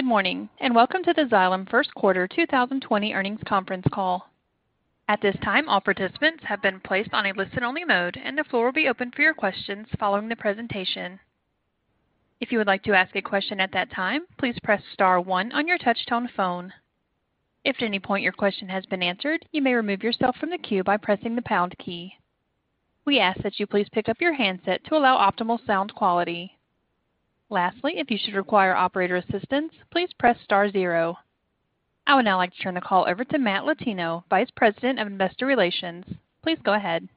Good morning. Welcome to the Xylem first quarter 2020 earnings conference call. At this time, all participants have been placed on a listen-only mode. The floor will be open for your questions following the presentation. If you would like to ask a question at that time, please press star one on your touch-tone phone. If at any point your question has been answered, you may remove yourself from the queue by pressing the pound key. We ask that you please pick up your handset to allow optimal sound quality. Lastly, if you should require operator assistance, please press star zero. I would now like to turn the call over to Matt Latino, Vice President of Investor Relations. Please go ahead.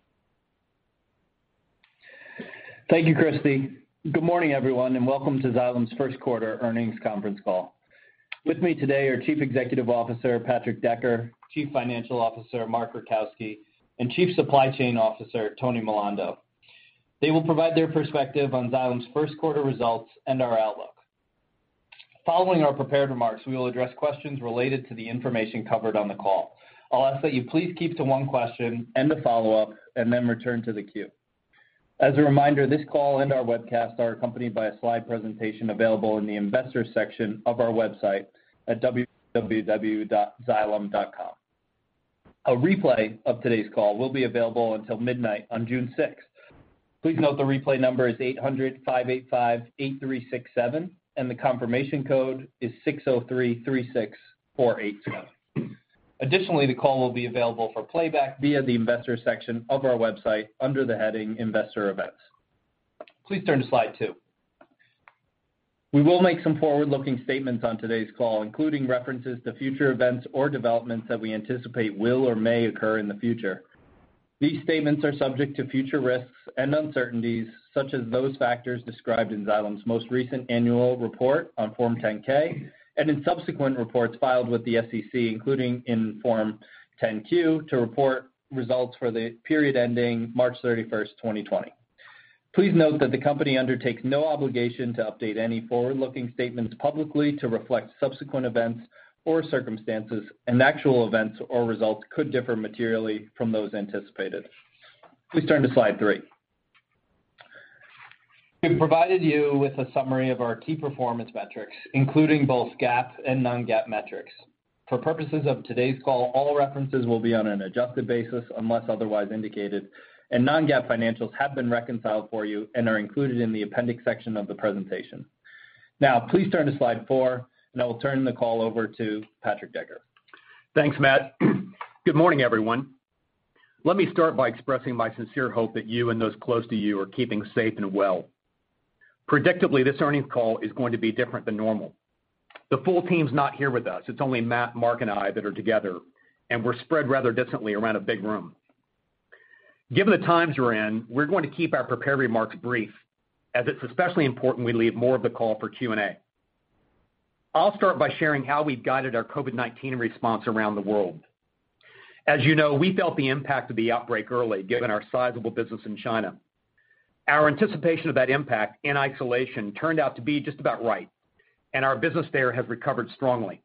Thank you, Christy. Good morning, everyone, and welcome to Xylem's first quarter earnings conference call. With me today are Chief Executive Officer, Patrick Decker, Chief Financial Officer, Mark Rajkowski, and Chief Supply Chain Officer, Tony Milando. They will provide their perspective on Xylem's first quarter results and our outlook. Following our prepared remarks, we will address questions related to the information covered on the call. I'll ask that you please keep to one question and a follow-up, then return to the queue. As a reminder, this call and our webcast are accompanied by a slide presentation available in the Investors section of our website at www.xylem.com. A replay of today's call will be available until midnight on June 6th. Please note the replay number is 800-585-8367, the confirmation code is 60336487. Additionally, the call will be available for playback via the Investors section of our website, under the heading Investor Events. Please turn to slide two. We will make some forward-looking statements on today's call, including references to future events or developments that we anticipate will or may occur in the future. These statements are subject to future risks and uncertainties, such as those factors described in Xylem's most recent annual report on Form 10-K and in subsequent reports filed with the SEC, including in Form 10-Q, to report results for the period ending March 31st, 2020. Please note that the company undertakes no obligation to update any forward-looking statements publicly to reflect subsequent events or circumstances, and actual events or results could differ materially from those anticipated. Please turn to slide three. We've provided you with a summary of our key performance metrics, including both GAAP and non-GAAP metrics. For purposes of today's call, all references will be on an adjusted basis unless otherwise indicated, and non-GAAP financials have been reconciled for you and are included in the appendix section of the presentation. Now, please turn to slide four, and I will turn the call over to Patrick Decker. Thanks, Matt. Good morning, everyone. Let me start by expressing my sincere hope that you and those close to you are keeping safe and well. Predictably, this earnings call is going to be different than normal. The full team's not here with us. It's only Matt, Mark and I that are together, and we're spread rather distantly around a big room. Given the times we're in, we're going to keep our prepared remarks brief, as it's especially important we leave more of the call for Q&A. I'll start by sharing how we've guided our COVID-19 response around the world. As you know, we felt the impact of the outbreak early, given our sizable business in China. Our anticipation of that impact in isolation turned out to be just about right, our business there has recovered strongly.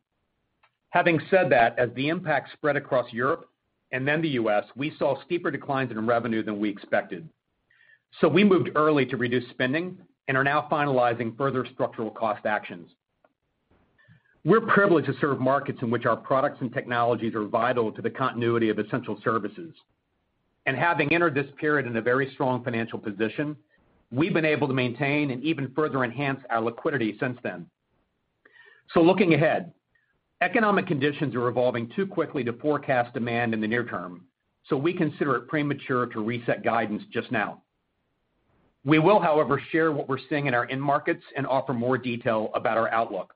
Having said that, as the impact spread across Europe and then the U.S., we saw steeper declines in revenue than we expected. We moved early to reduce spending and are now finalizing further structural cost actions. We're privileged to serve markets in which our products and technologies are vital to the continuity of essential services. Having entered this period in a very strong financial position, we've been able to maintain and even further enhance our liquidity since then. Looking ahead, economic conditions are evolving too quickly to forecast demand in the near term, so we consider it premature to reset guidance just now. We will, however, share what we're seeing in our end markets and offer more detail about our outlook.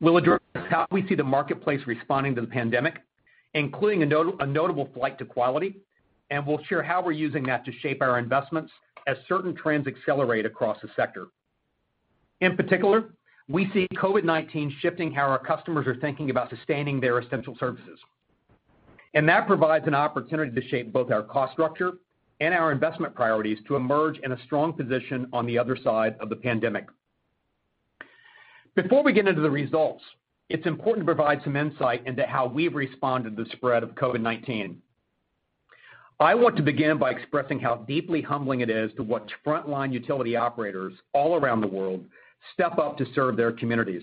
We'll address how we see the marketplace responding to the pandemic, including a notable flight to quality, and we'll share how we're using that to shape our investments as certain trends accelerate across the sector. In particular, we see COVID-19 shifting how our customers are thinking about sustaining their essential services. That provides an opportunity to shape both our cost structure and our investment priorities to emerge in a strong position on the other side of the pandemic. Before we get into the results, it's important to provide some insight into how we've responded to the spread of COVID-19. I want to begin by expressing how deeply humbling it is to watch frontline utility operators all around the world step up to serve their communities.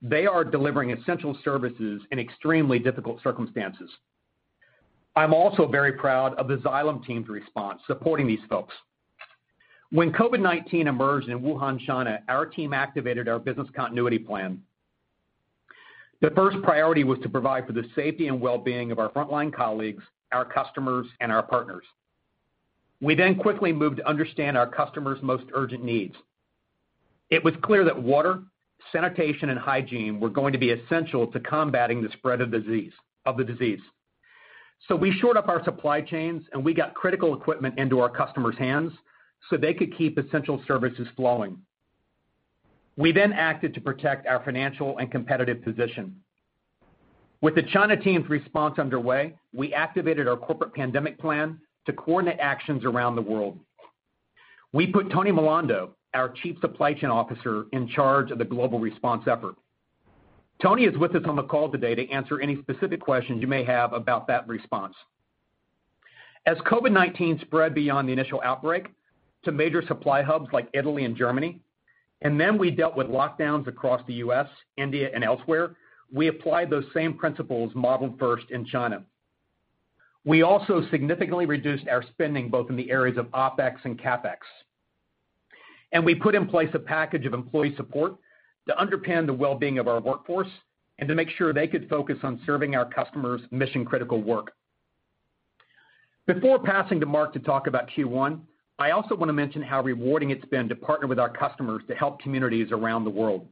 They are delivering essential services in extremely difficult circumstances. I'm also very proud of the Xylem team's response supporting these folks. When COVID-19 emerged in Wuhan, China, our team activated our business continuity plan. The first priority was to provide for the safety and well-being of our frontline colleagues, our customers, and our partners. We quickly moved to understand our customers' most urgent needs. It was clear that water, sanitation, and hygiene were going to be essential to combating the spread of the disease. We shored up our supply chains and we got critical equipment into our customers' hands so they could keep essential services flowing. We acted to protect our financial and competitive position. With the China team's response underway, we activated our corporate pandemic plan to coordinate actions around the world. We put Tony Milando, our Chief Supply Chain Officer, in charge of the global response effort. Tony is with us on the call today to answer any specific questions you may have about that response. As COVID-19 spread beyond the initial outbreak to major supply hubs like Italy and Germany, and then we dealt with lockdowns across the U.S., India, and elsewhere, we applied those same principles modeled first in China. We also significantly reduced our spending both in the areas of OpEx and CapEx. We put in place a package of employee support to underpin the well-being of our workforce and to make sure they could focus on serving our customers' mission-critical work. Before passing to Mark to talk about Q1, I also want to mention how rewarding it's been to partner with our customers to help communities around the world.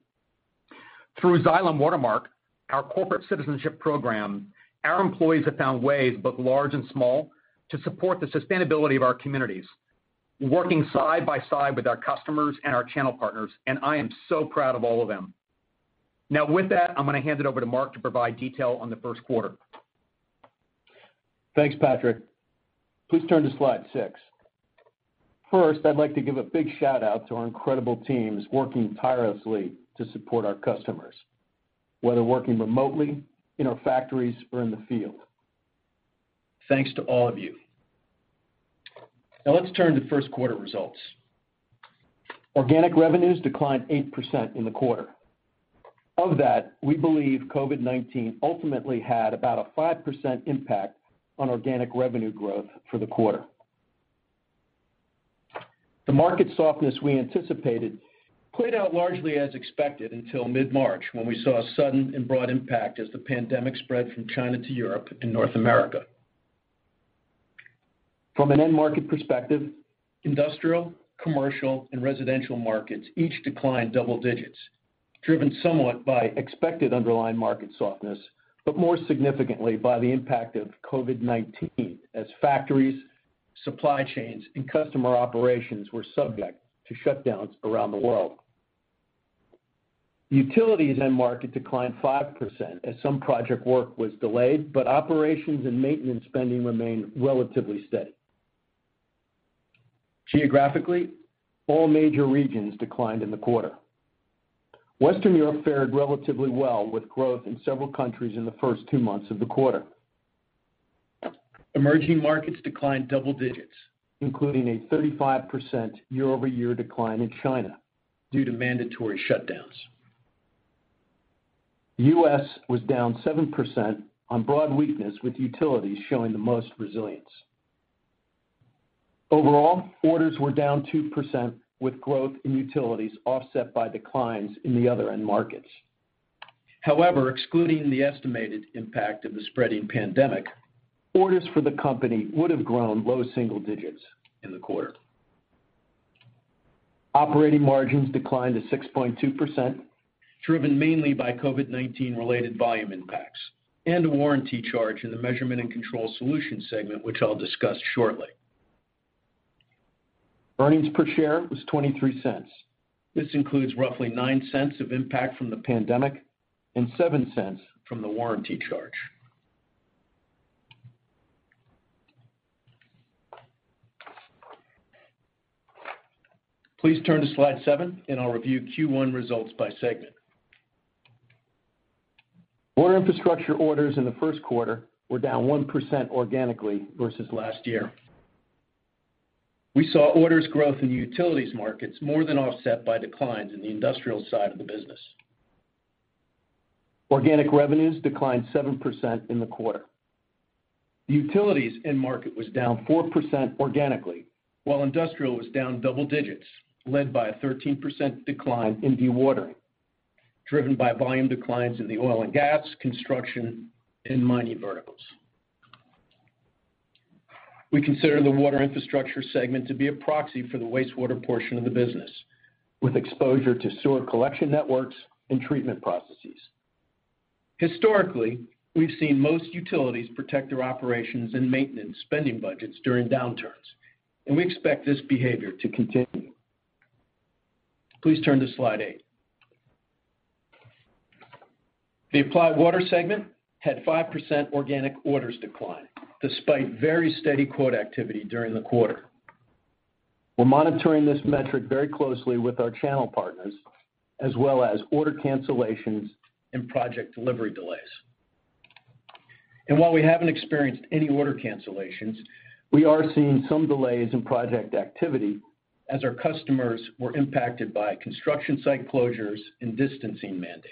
Through Xylem Watermark, our corporate citizenship program, our employees have found ways, both large and small, to support the sustainability of our communities, working side by side with our customers and our channel partners. I am so proud of all of them. Now with that, I'm going to hand it over to Mark to provide detail on the first quarter. Thanks, Patrick. Please turn to slide six. First, I'd like to give a big shout-out to our incredible teams working tirelessly to support our customers, whether working remotely, in our factories, or in the field. Thanks to all of you. Let's turn to first quarter results. Organic revenues declined 8% in the quarter. Of that, we believe COVID-19 ultimately had about a 5% impact on organic revenue growth for the quarter. The market softness we anticipated played out largely as expected until mid-March, when we saw a sudden and broad impact as the pandemic spread from China to Europe and North America. From an end market perspective, industrial, commercial, and residential markets each declined double digits, driven somewhat by expected underlying market softness, but more significantly by the impact of COVID-19 as factories, supply chains, and customer operations were subject to shutdowns around the world. The utilities end market declined 5% as some project work was delayed, but operations and maintenance spending remained relatively steady. Geographically, all major regions declined in the quarter. Western Europe fared relatively well, with growth in several countries in the first two months of the quarter. Emerging markets declined double digits, including a 35% year-over-year decline in China due to mandatory shutdowns. U.S. was down 7% on broad weakness, with utilities showing the most resilience. Overall, orders were down 2%, with growth in utilities offset by declines in the other end markets. However, excluding the estimated impact of the spreading pandemic, orders for the company would have grown low single digits in the quarter. Operating margins declined to 6.2%, driven mainly by COVID-19 related volume impacts and a warranty charge in the Measurement & Control Solutions segment, which I'll discuss shortly. Earnings per share was $0.23. This includes roughly $0.09 of impact from the pandemic and $0.07 from the warranty charge. Please turn to slide seven, and I'll review Q1 results by segment. Water Infrastructure orders in the first quarter were down 1% organically versus last year. We saw orders growth in utilities markets more than offset by declines in the industrial side of the business. Organic revenues declined 7% in the quarter. The utilities end market was down 4% organically, while industrial was down double digits, led by a 13% decline in dewatering, driven by volume declines in the oil and gas, construction, and mining verticals. We consider the Water Infrastructure segment to be a proxy for the wastewater portion of the business, with exposure to sewer collection networks and treatment processes. Historically, we've seen most utilities protect their operations and maintenance spending budgets during downturns, and we expect this behavior to continue. Please turn to slide eight. The Applied Water segment had 5% organic orders decline despite very steady quote activity during the quarter. We're monitoring this metric very closely with our channel partners, as well as order cancellations and project delivery delays. While we haven't experienced any order cancellations, we are seeing some delays in project activity as our customers were impacted by construction site closures and distancing mandates.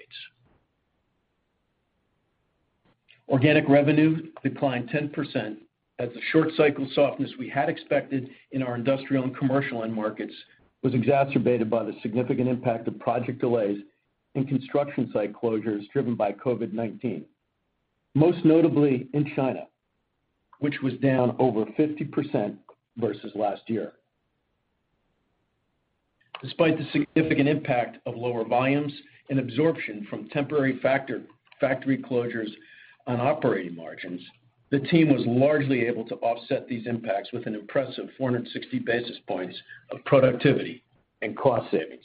Organic revenue declined 10% as the short cycle softness we had expected in our industrial and commercial end markets was exacerbated by the significant impact of project delays and construction site closures driven by COVID-19, most notably in China, which was down over 50% versus last year. Despite the significant impact of lower volumes and absorption from temporary factory closures on operating margins, the team was largely able to offset these impacts with an impressive 460 basis points of productivity and cost savings.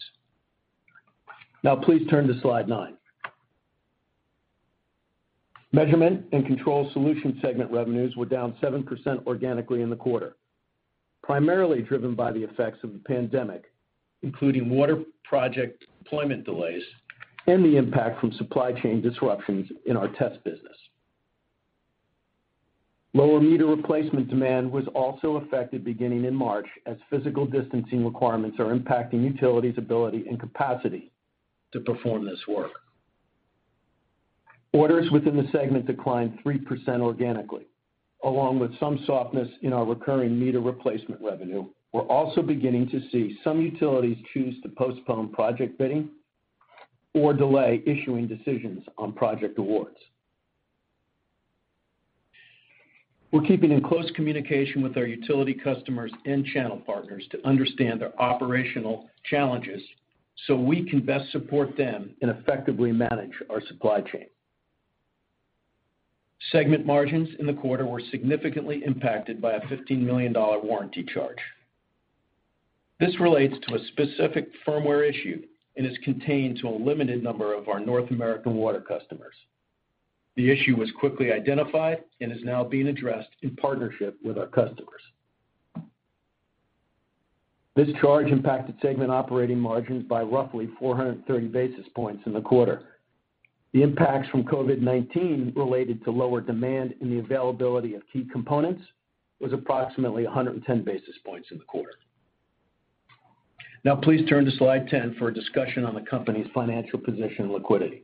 Please turn to slide nine. Measurement & Control Solutions segment revenues were down 7% organically in the quarter. Primarily driven by the effects of the pandemic, including water project deployment delays, and the impact from supply chain disruptions in our test business. Lower meter replacement demand was also affected beginning in March, as physical distancing requirements are impacting utilities' ability and capacity to perform this work. Orders within the segment declined 3% organically, along with some softness in our recurring meter replacement revenue. We're also beginning to see some utilities choose to postpone project bidding or delay issuing decisions on project awards. We're keeping in close communication with our utility customers and channel partners to understand their operational challenges so we can best support them and effectively manage our supply chain. Segment margins in the quarter were significantly impacted by a $15 million warranty charge. This relates to a specific firmware issue and is contained to a limited number of our North American water customers. The issue was quickly identified and is now being addressed in partnership with our customers. This charge impacted segment operating margins by roughly 430 basis points in the quarter. The impacts from COVID-19 related to lower demand and the availability of key components was approximately 110 basis points in the quarter. Now please turn to slide 10 for a discussion on the company's financial position and liquidity.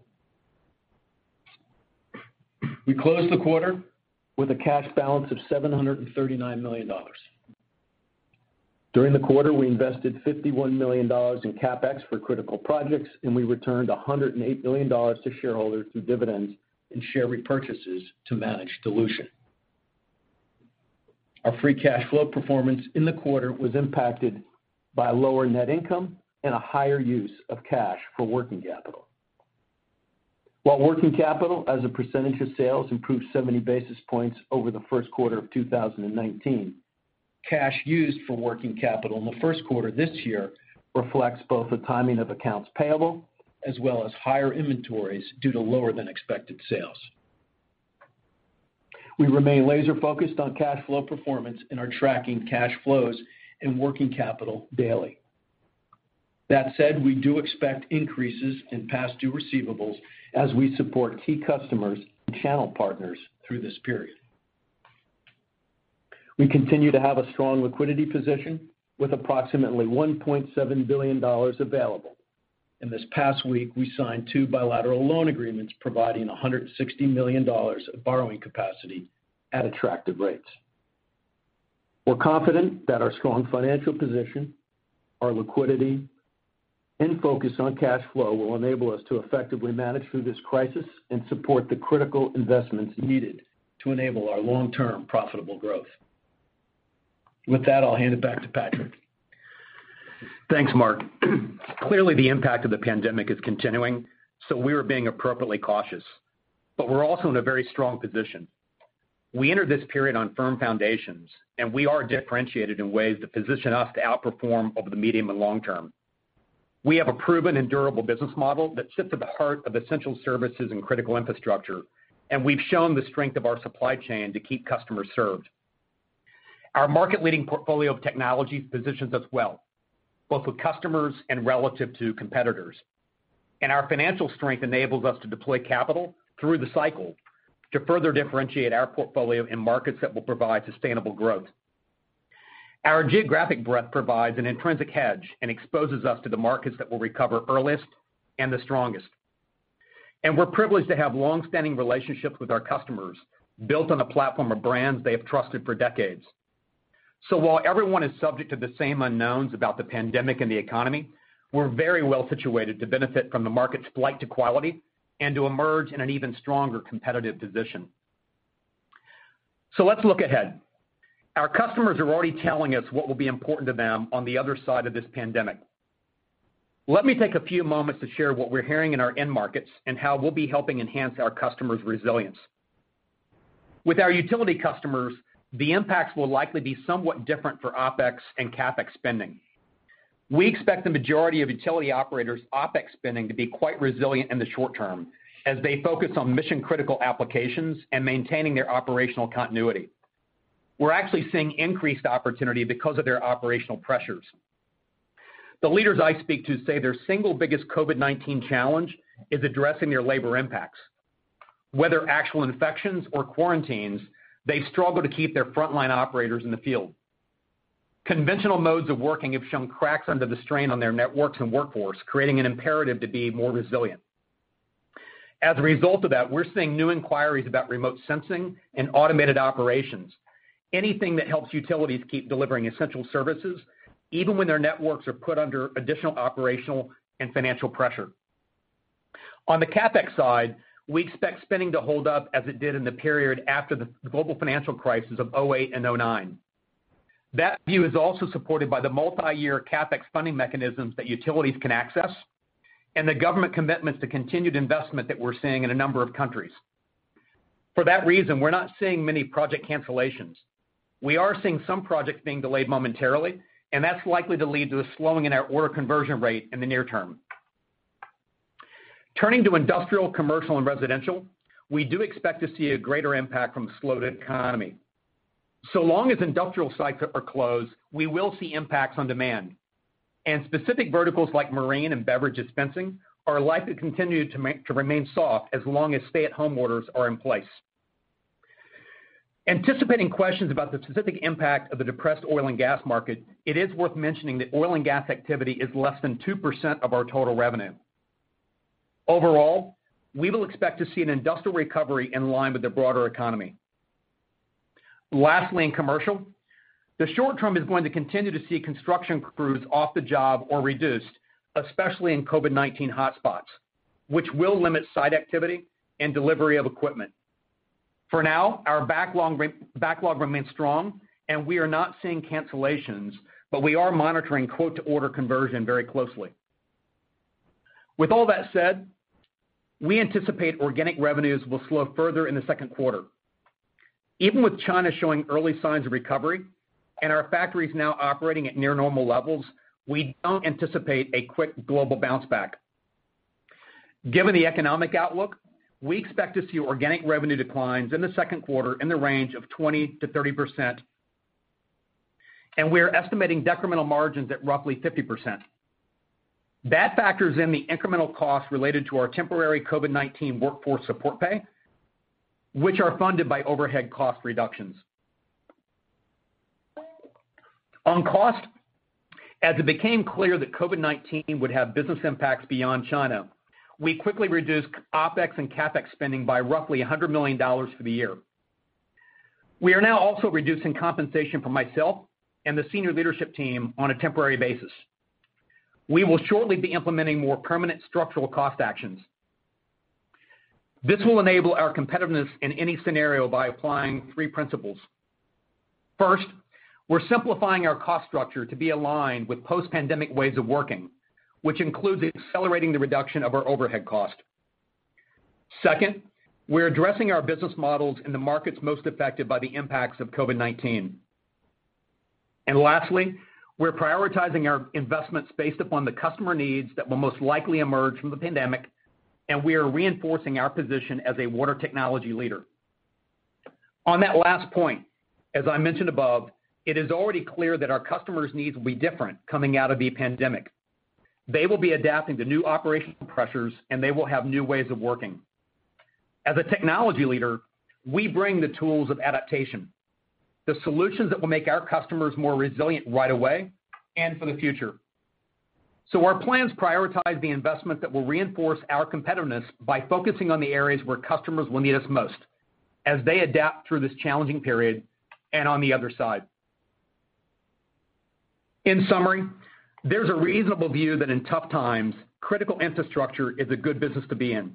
We closed the quarter with a cash balance of $739 million. During the quarter, we invested $51 million in CapEx for critical projects, and we returned $108 million to shareholders through dividends and share repurchases to manage dilution. Our free cash flow performance in the quarter was impacted by lower net income and a higher use of cash for working capital. While working capital as a percentage of sales improved 70 basis points over the first quarter of 2019, cash used for working capital in the first quarter this year reflects both the timing of accounts payable as well as higher inventories due to lower than expected sales. We remain laser-focused on cash flow performance and are tracking cash flows and working capital daily. That said, we do expect increases in past due receivables as we support key customers and channel partners through this period. We continue to have a strong liquidity position with approximately $1.7 billion available. In this past week, we signed two bilateral loan agreements providing $160 million of borrowing capacity at attractive rates. We're confident that our strong financial position, our liquidity, and focus on cash flow will enable us to effectively manage through this crisis and support the critical investments needed to enable our long-term profitable growth. With that, I'll hand it back to Patrick. Thanks, Mark. Clearly, the impact of the pandemic is continuing, so we are being appropriately cautious, but we're also in a very strong position. We entered this period on firm foundations, and we are differentiated in ways that position us to outperform over the medium and long term. We have a proven and durable business model that sits at the heart of essential services and critical infrastructure, and we've shown the strength of our supply chain to keep customers served. Our market-leading portfolio of technologies positions us well, both with customers and relative to competitors. Our financial strength enables us to deploy capital through the cycle to further differentiate our portfolio in markets that will provide sustainable growth. Our geographic breadth provides an intrinsic hedge and exposes us to the markets that will recover earliest and the strongest. We're privileged to have longstanding relationships with our customers, built on a platform of brands they have trusted for decades. While everyone is subject to the same unknowns about the pandemic and the economy, we're very well situated to benefit from the market's flight to quality and to emerge in an even stronger competitive position. Let's look ahead. Our customers are already telling us what will be important to them on the other side of this pandemic. Let me take a few moments to share what we're hearing in our end markets and how we'll be helping enhance our customers' resilience. With our utility customers, the impacts will likely be somewhat different for OpEx and CapEx spending. We expect the majority of utility operators' OpEx spending to be quite resilient in the short term as they focus on mission-critical applications and maintaining their operational continuity. We're actually seeing increased opportunity because of their operational pressures. The leaders I speak to say their single biggest COVID-19 challenge is addressing their labor impacts. Whether actual infections or quarantines, they struggle to keep their frontline operators in the field. Conventional modes of working have shown cracks under the strain on their networks and workforce, creating an imperative to be more resilient. We're seeing new inquiries about remote sensing and automated operations, anything that helps utilities keep delivering essential services, even when their networks are put under additional operational and financial pressure. On the CapEx side, we expect spending to hold up as it did in the period after the global financial crisis of 2008 and 2009. That view is also supported by the multiyear CapEx funding mechanisms that utilities can access and the government commitments to continued investment that we're seeing in a number of countries. For that reason, we're not seeing many project cancellations. We are seeing some projects being delayed momentarily, and that's likely to lead to a slowing in our order conversion rate in the near term. Turning to industrial, commercial, and residential, we do expect to see a greater impact from the slowed economy. So long as industrial sites are closed, we will see impacts on demand, and specific verticals like marine and beverage dispensing are likely to continue to remain soft as long as stay-at-home orders are in place. Anticipating questions about the specific impact of the depressed oil and gas market, it is worth mentioning that oil and gas activity is less than 2% of our total revenue. Overall, we will expect to see an industrial recovery in line with the broader economy. Lastly, in commercial, the short term is going to continue to see construction crews off the job or reduced, especially in COVID-19 hotspots, which will limit site activity and delivery of equipment. For now, our backlog remains strong, and we are not seeing cancellations, but we are monitoring quote-to-order conversion very closely. With all that said, we anticipate organic revenues will slow further in the second quarter. Even with China showing early signs of recovery and our factories now operating at near normal levels, we don't anticipate a quick global bounce back. Given the economic outlook, we expect to see organic revenue declines in the second quarter in the range of 20%-30%, and we're estimating decremental margins at roughly 50%. That factors in the incremental cost related to our temporary COVID-19 workforce support pay, which are funded by overhead cost reductions. As it became clear that COVID-19 would have business impacts beyond China, we quickly reduced OpEx and CapEx spending by roughly $100 million for the year. We are now also reducing compensation for myself and the senior leadership team on a temporary basis. We will shortly be implementing more permanent structural cost actions. This will enable our competitiveness in any scenario by applying three principles. First, we're simplifying our cost structure to be aligned with post-pandemic ways of working, which includes accelerating the reduction of our overhead cost. Second, we're addressing our business models in the markets most affected by the impacts of COVID-19. Lastly, we're prioritizing our investments based upon the customer needs that will most likely emerge from the pandemic, and we are reinforcing our position as a water technology leader. On that last point, as I mentioned above, it is already clear that our customers' needs will be different coming out of the pandemic. They will be adapting to new operational pressures, and they will have new ways of working. As a technology leader, we bring the tools of adaptation, the solutions that will make our customers more resilient right away and for the future. Our plans prioritize the investment that will reinforce our competitiveness by focusing on the areas where customers will need us most as they adapt through this challenging period and on the other side. In summary, there's a reasonable view that in tough times, critical infrastructure is a good business to be in.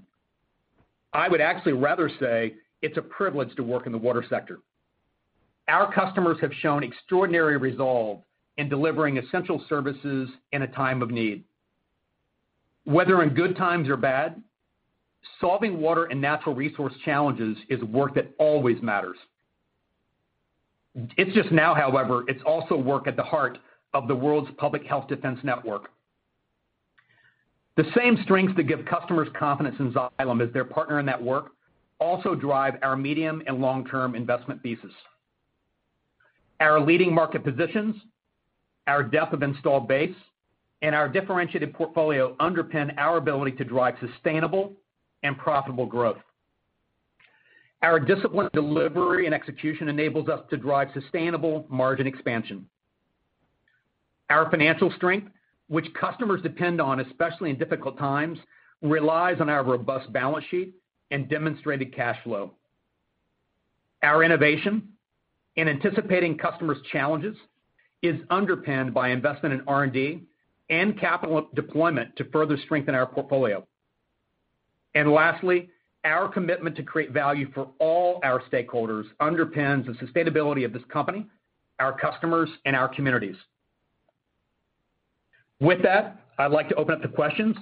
I would actually rather say it's a privilege to work in the water sector. Our customers have shown extraordinary resolve in delivering essential services in a time of need. Whether in good times or bad, solving water and natural resource challenges is work that always matters. It's just now, however, it's also work at the heart of the world's public health defense network. The same strengths that give customers confidence in Xylem as their partner in that work also drive our medium and long-term investment thesis. Our leading market positions, our depth of installed base, and our differentiated portfolio underpin our ability to drive sustainable and profitable growth. Our disciplined delivery and execution enables us to drive sustainable margin expansion. Our financial strength, which customers depend on, especially in difficult times, relies on our robust balance sheet and demonstrated cash flow. Our innovation in anticipating customers' challenges is underpinned by investment in R&D and capital deployment to further strengthen our portfolio. Lastly, our commitment to create value for all our stakeholders underpins the sustainability of this company, our customers, and our communities. With that, I'd like to open up to questions.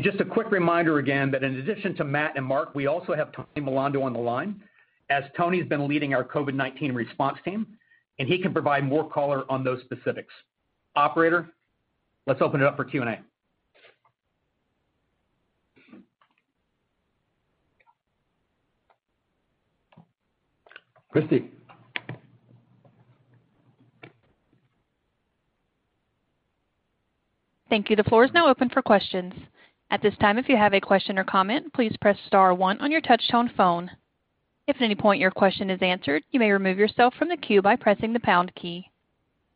Just a quick reminder again, that in addition to Matt and Mark, we also have Tony Milando on the line, as Tony's been leading our COVID-19 response team, and he can provide more color on those specifics. Operator, let's open it up for Q&A. Christie. Thank you. The floor is now open for questions. At this time, if you have a question or comment, please press star one on your touch-tone phone. If at any point your question is answered, you may remove yourself from the queue by pressing the pound key.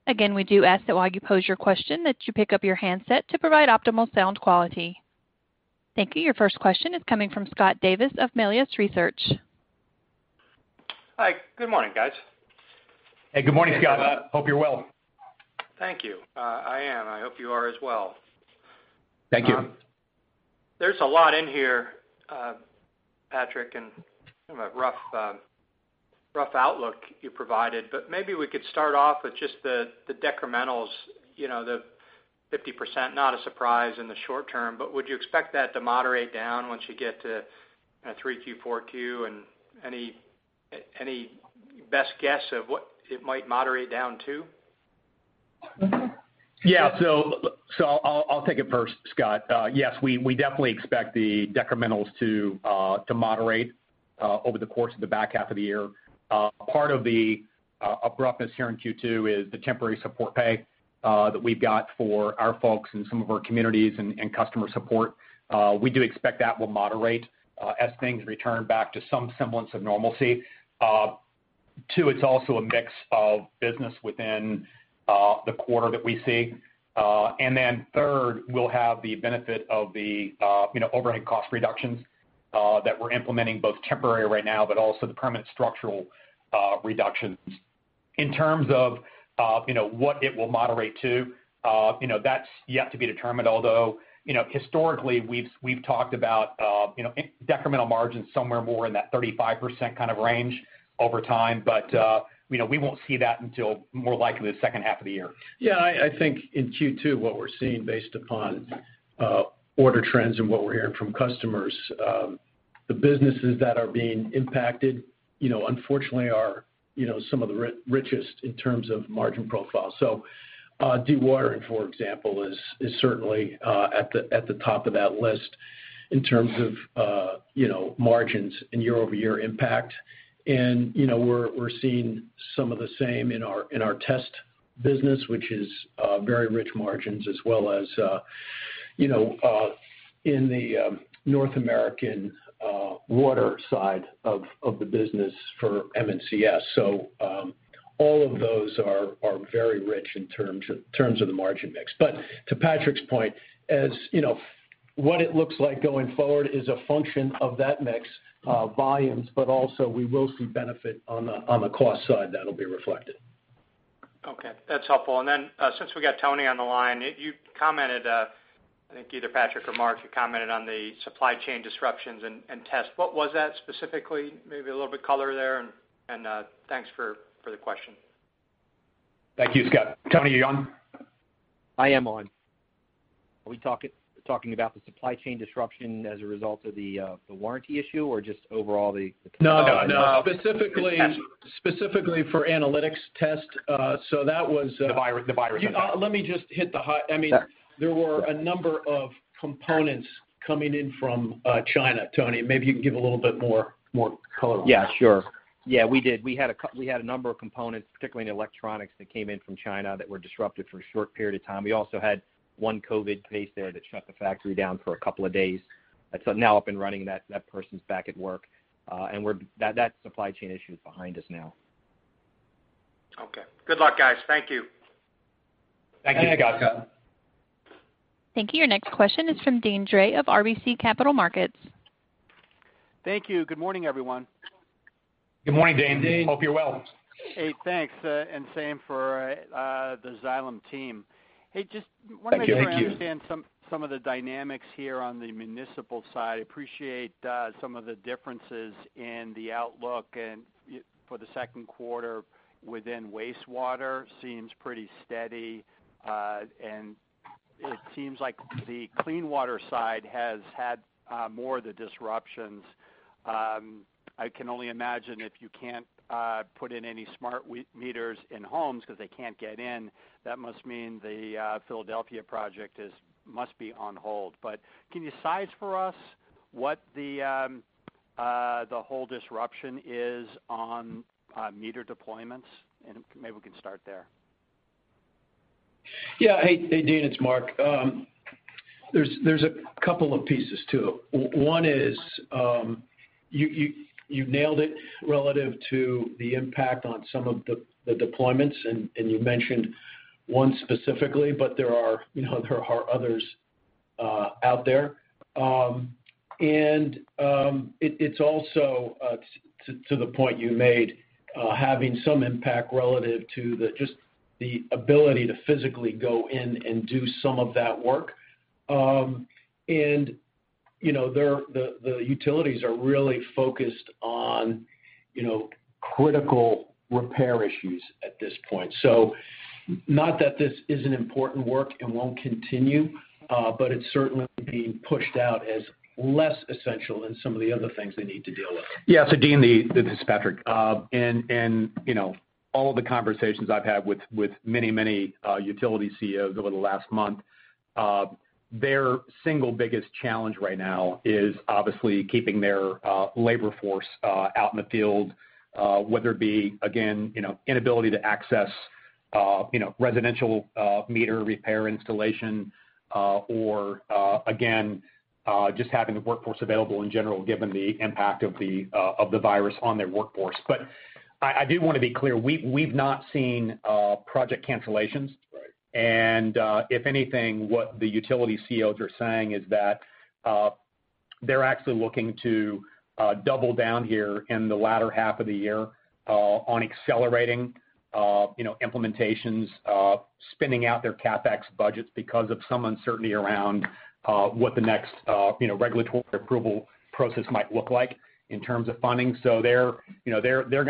Again, we do ask that while you pose your question that you pick up your handset to provide optimal sound quality. Thank you. Your first question is coming from Scott Davis of Melius Research. Hi, good morning, guys. Hey, good morning, Scott. Hope you're well. Thank you. I am. I hope you are as well. Thank you. There's a lot in here, Patrick, and kind of a rough outlook you provided, but maybe we could start off with just the decrementals, the 50%, not a surprise in the short term, but would you expect that to moderate down once you get to 3Q, 4Q, and any best guess of what it might moderate down to? I'll take it first, Scott. Yes, we definitely expect the decremental margins to moderate over the course of the back half of the year. Part of the abruptness here in Q2 is the temporary support pay that we've got for our folks in some of our communities and customer support. We do expect that will moderate as things return back to some semblance of normalcy. Two, it's also a mix of business within the quarter that we see. Third, we'll have the benefit of the overhead cost reductions that we're implementing, both temporary right now, but also the permanent structural reductions. In terms of what it will moderate to, that's yet to be determined, although historically we've talked about decremental margins somewhere more in that 35% kind of range over time. We won't see that until more likely the second half of the year. I think in Q2, what we're seeing based upon order trends and what we're hearing from customers, the businesses that are being impacted, unfortunately are some of the richest in terms of margin profile. Dewatering, for example, is certainly at the top of that list in terms of margins and year-over-year impact. We're seeing some of the same in our test business, which is very rich margins as well as in the North American water side of the business for MCS. All of those are very rich in terms of the margin mix. To Patrick's point, what it looks like going forward is a function of that mix volumes, but also we will see benefit on the cost side that'll be reflected. Okay, that's helpful. Since we got Tony on the line, you commented, I think either Patrick or Mark, you commented on the supply chain disruptions and stress. What was that specifically? Maybe a little bit color there. Thanks for the question. Thank you, Scott. Tony, are you on? I am on. Are we talking about the supply chain disruption as a result of the warranty issue or just overall? No. No. Specifically for analytics test. The virus impact. Let me just hit the high. Sure. There were a number of components coming in from China, Tony. Maybe you can give a little bit more color on that? Yeah, sure. We did. We had a number of components, particularly in electronics, that came in from China that were disrupted for a short period of time. We also had one COVID case there that shut the factory down for a couple of days. That's now up and running. That person's back at work. That supply chain issue is behind us now. Okay. Good luck, guys. Thank you. Thank you, Scott. Thanks, Scott. Thank you. Your next question is from Deane Dray of RBC Capital Markets. Thank you. Good morning, everyone. Good morning, Deane. Deane. Hope you're well. Hey, thanks. Same for the Xylem team. Thank you. better understand some of the dynamics here on the municipal side. Appreciate some of the differences in the outlook and for the second quarter within wastewater seems pretty steady. It seems like the clean water side has had more of the disruptions. I can only imagine if you can't put in any smart meters in homes because they can't get in, that must mean the Philadelphia project must be on hold. Can you size for us what the whole disruption is on meter deployments? Maybe we can start there. Yeah. Hey, Deane, it's Mark. There's a couple of pieces to it. One is you nailed it relative to the impact on some of the deployments, and you mentioned one specifically, but there are others out there. It's also, to the point you made, having some impact relative to just the ability to physically go in and do some of that work. The utilities are really focused on critical repair issues at this point. Not that this isn't important work and won't continue, but it's certainly being pushed out as less essential than some of the other things they need to deal with. Yeah. Deane, this is Patrick. In all of the conversations I've had with many utility CEOs over the last month, their single biggest challenge right now is obviously keeping their labor force out in the field, whether it be, again, inability to access residential meter repair installation or, again, just having the workforce available in general given the impact of the virus on their workforce. I do want to be clear, we've not seen project cancellations. Right. If anything, what the utility CEOs are saying is that they're actually looking to double down here in the latter half of the year on accelerating implementations, spinning out their CapEx budgets because of some uncertainty around what the next regulatory approval process might look like in terms of funding. They're going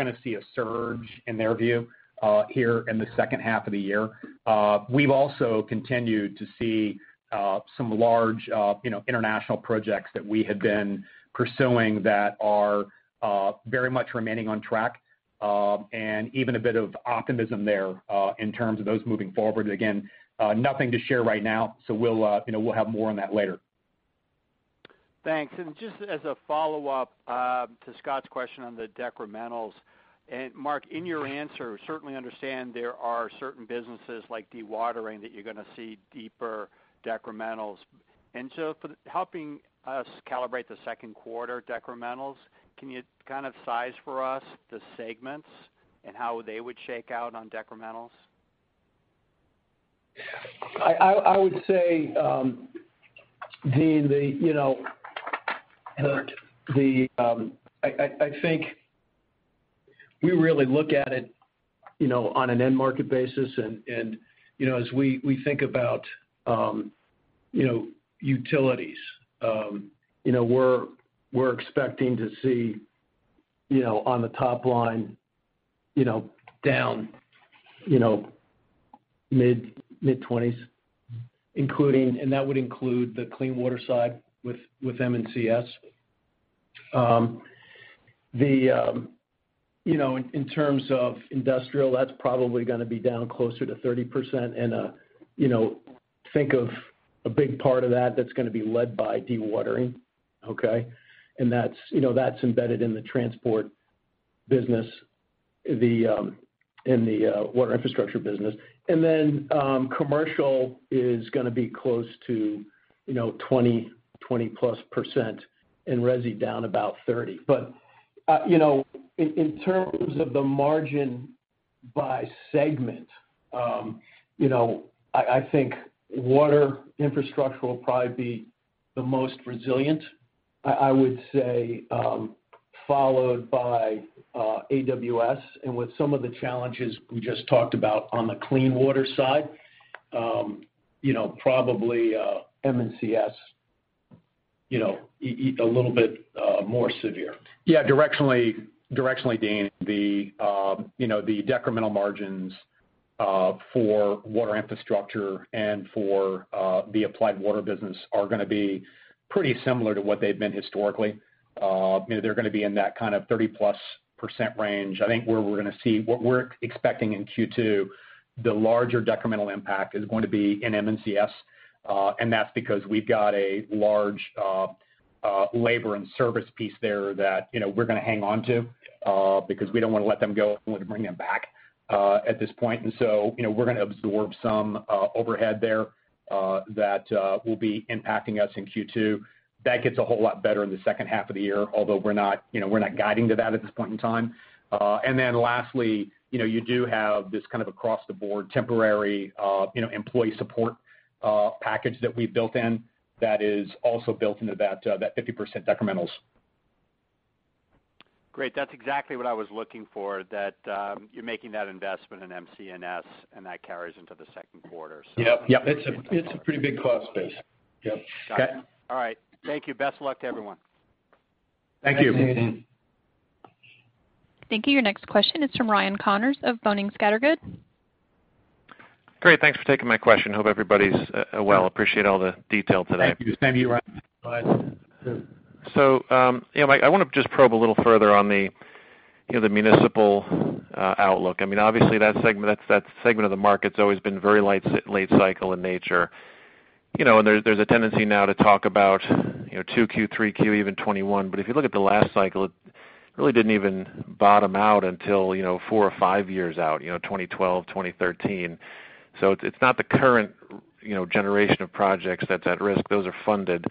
to see a surge in their view here in the second half of the year. We've also continued to see some large international projects that we had been pursuing that are very much remaining on track, and even a bit of optimism there in terms of those moving forward. Again, nothing to share right now, so we'll have more on that later. Thanks. Just as a follow-up to Scott's question on the decrementals. Mark, in your answer, certainly understand there are certain businesses like dewatering that you're going to see deeper decrementals. For helping us calibrate the second quarter decrementals, can you kind of size for us the segments and how they would shake out on decrementals? I would say, I think we really look at it on an end market basis and as we think about utilities, we're expecting to see on the top line, down mid-20s, and that would include the clean water side with MCS. In terms of industrial, that's probably going to be down closer to 30%, and think of a big part of that's going to be led by dewatering. Okay? That's embedded in the transport business, in the Water Infrastructure business. Commercial is going to be close to 20% plus, and resi down about 30%. In terms of the margin by segment, I think Water Infrastructure will probably be the most resilient, I would say, followed by AWS. With some of the challenges we just talked about on the clean water side, probably MCS a little bit more severe. Yeah, directionally, Deane, the decremental margins for Water Infrastructure and for the Applied Water are going to be pretty similar to what they've been historically. They're going to be in that kind of 30% plus range. I think what we're expecting in Q2, the larger decremental impact is going to be in MCS, and that's because we've got a large labor and service piece there that we're going to hang on to because we don't want to let them go and want to bring them back at this point. So, we're going to absorb some overhead there that will be impacting us in Q2. That gets a whole lot better in the second half of the year, although we're not guiding to that at this point in time. Lastly, you do have this kind of across the board temporary employee support package that we've built in that is also built into that 50% decrementals. Great. That's exactly what I was looking for, that you're making that investment in MCS and that carries into the second quarter. Yep. Yep. It's a pretty big cost base. Yep. Okay. All right. Thank you. Best of luck to everyone. Thank you. Thanks, Deane. Thank you. Your next question is from Ryan Connors of Boenning & Scattergood. Great. Thanks for taking my question. Hope everybody's well. Appreciate all the detail today. Thank you. Same to you, Ryan. Mike, I want to just probe a little further on the municipal outlook. Obviously that segment of the market's always been very late cycle in nature. There's a tendency now to talk about 2Q, 3Q, even 2021, but if you look at the last cycle, it really didn't even bottom out until four or five years out, 2012, 2013. It's not the current generation of projects that's at risk. Those are funded,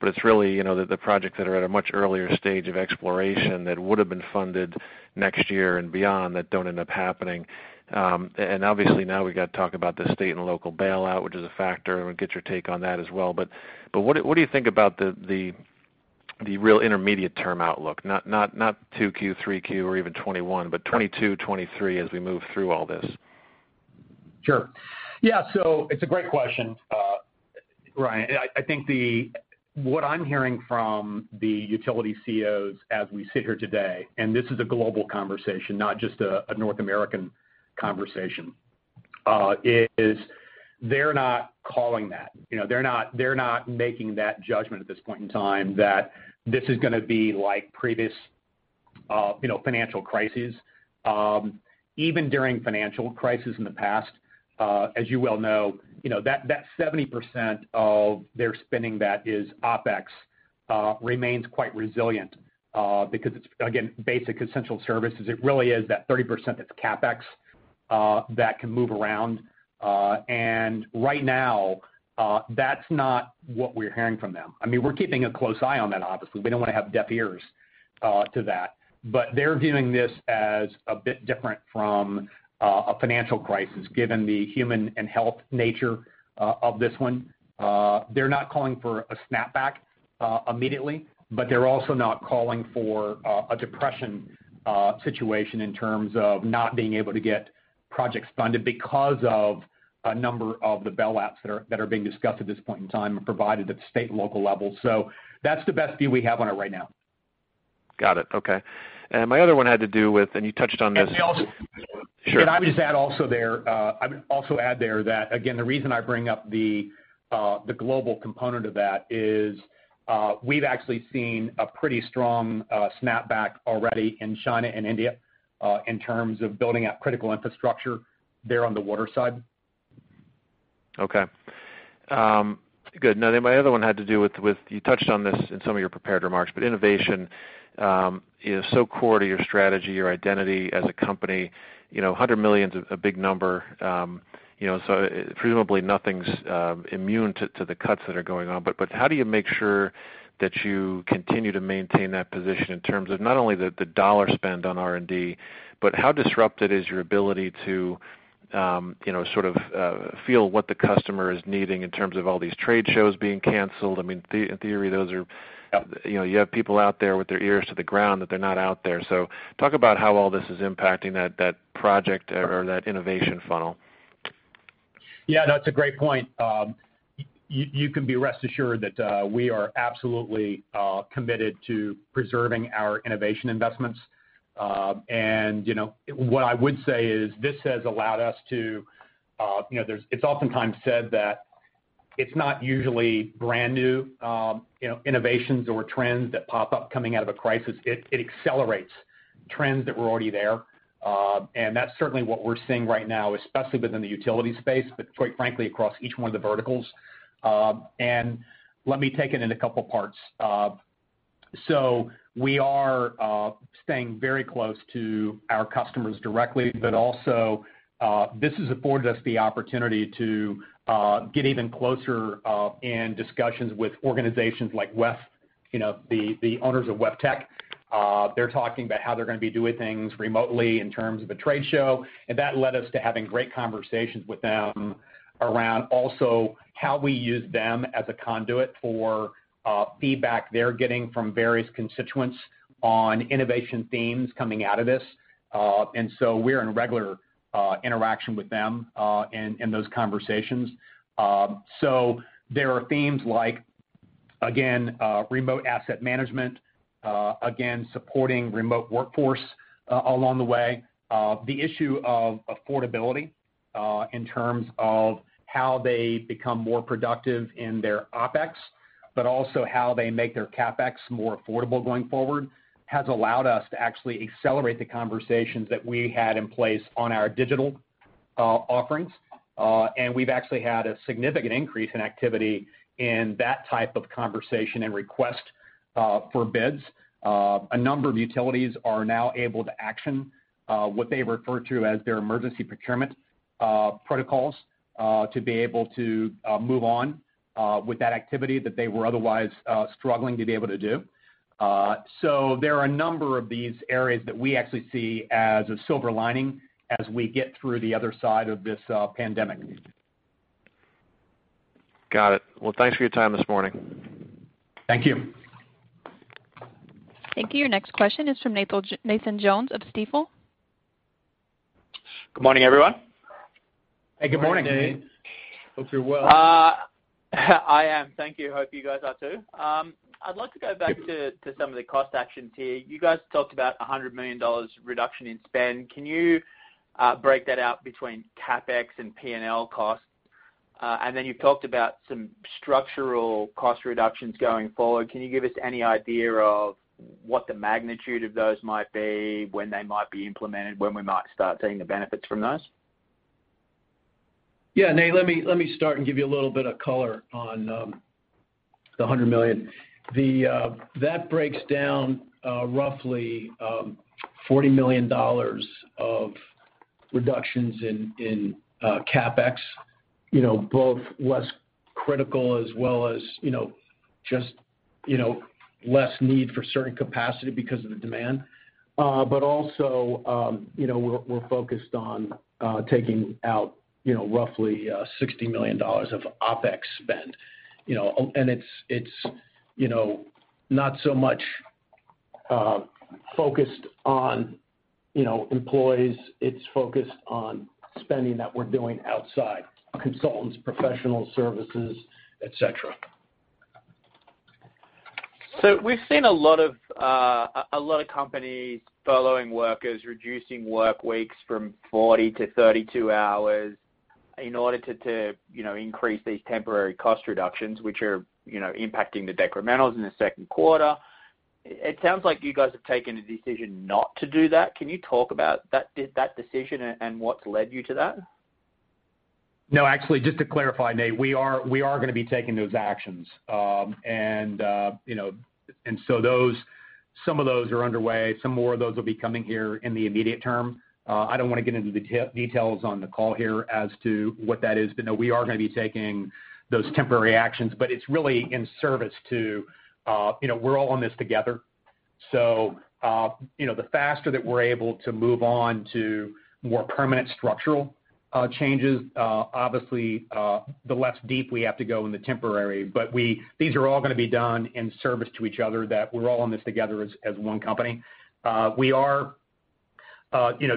but it's really the projects that are at a much earlier stage of exploration that would have been funded next year and beyond that don't end up happening. Obviously now we got to talk about the state and local bailout, which is a factor and get your take on that as well, but what do you think about the real intermediate term outlook? Not 2Q, 3Q, or even 2021, but 2022, 2023 as we move through all this? Sure. Yeah, it's a great question, Ryan. I think what I'm hearing from the utility CEOs as we sit here today, and this is a global conversation, not just a North American conversation, is they're not calling that. They're not making that judgment at this point in time that this is going to be like previous financial crises. Even during financial crises in the past, as you well know, that 70% of their spending that is OpEx remains quite resilient because it's, again, basic essential services. It really is that 30% that's CapEx that can move around. Right now, that's not what we're hearing from them. We're keeping a close eye on that, obviously. We don't want to have deaf ears to that. They're viewing this as a bit different from a financial crisis, given the human and health nature of this one. They're not calling for a snapback immediately, but they're also not calling for a depression situation in terms of not being able to get projects funded because of a number of the bailouts that are being discussed at this point in time and provided at the state and local level. That's the best view we have on it right now. Got it. Okay. My other one had to do with, and you touched on this- I would just add also there that, again, the reason I bring up the global component of that is we've actually seen a pretty strong snapback already in China and India, in terms of building out critical infrastructure there on the water side. Okay. Good. My other one had to do with, you touched on this in some of your prepared remarks, innovation is so core to your strategy, your identity as a company. 100 million's a big number. Presumably nothing's immune to the cuts that are going on. How do you make sure that you continue to maintain that position in terms of not only the dollar spend on R&D, but how disrupted is your ability to feel what the customer is needing in terms of all these trade shows being canceled? In theory, you have people out there with their ears to the ground, that they're not out there. Talk about how all this is impacting that project or that innovation funnel. Yeah, that's a great point. You can be rest assured that we are absolutely committed to preserving our innovation investments. What I would say is, it's oftentimes said that it's not usually brand-new innovations or trends that pop up coming out of a crisis. It accelerates trends that were already there. That's certainly what we're seeing right now, especially within the utility space, but quite frankly, across each one of the verticals. Let me take it in a couple parts. We are staying very close to our customers directly, but also this has afforded us the opportunity to get even closer in discussions with organizations like WEF, the owners of WEFTEC. They're talking about how they're going to be doing things remotely in terms of a trade show, and that led us to having great conversations with them around also how we use them as a conduit for feedback they're getting from various constituents on innovation themes coming out of this. We're in regular interaction with them in those conversations. There are themes like, again, remote asset management, again, supporting remote workforce along the way. The issue of affordability in terms of how they become more productive in their OpEx, but also how they make their CapEx more affordable going forward, has allowed us to actually accelerate the conversations that we had in place on our digital offerings. We've actually had a significant increase in activity in that type of conversation and request for bids. A number of utilities are now able to action what they refer to as their emergency procurement protocols, to be able to move on with that activity that they were otherwise struggling to be able to do. There are a number of these areas that we actually see as a silver lining as we get through the other side of this pandemic. Got it. Well, thanks for your time this morning. Thank you. Thank you. Your next question is from Nathan Jones of Stifel. Good morning, everyone. Hey, good morning, Nate. Good morning. Hope you're well. I am. Thank you. Hope you guys are, too. I'd like to go back to some of the cost actions here. You guys talked about $100 million reduction in spend. Can you break that out between CapEx and P&L costs? Then you talked about some structural cost reductions going forward. Can you give us any idea of what the magnitude of those might be, when they might be implemented, when we might start seeing the benefits from those? Yeah, Nate, let me start and give you a little bit of color on the $100 million. That breaks down roughly $40 million of reductions in CapEx, both less critical as well as just less need for certain capacity because of the demand. Also, we're focused on taking out roughly $60 million of OpEx spend. It's not so much focused on employees. It's focused on spending that we're doing outside, consultants, professional services, et cetera. We've seen a lot of companies following workers, reducing work weeks from 40 to 32 hours in order to increase these temporary cost reductions, which are impacting the decrementals in the second quarter. It sounds like you guys have taken a decision not to do that. Can you talk about that decision and what's led you to that? Actually, just to clarify, Nate, we are going to be taking those actions. Some of those are underway. Some more of those will be coming here in the immediate term. I don't want to get into the details on the call here as to what that is, no, we are going to be taking those temporary actions. It's really in service to, we're all in this together. The faster that we're able to move on to more permanent structural changes, obviously, the less deep we have to go in the temporary. These are all going to be done in service to each other, that we're all in this together as one company.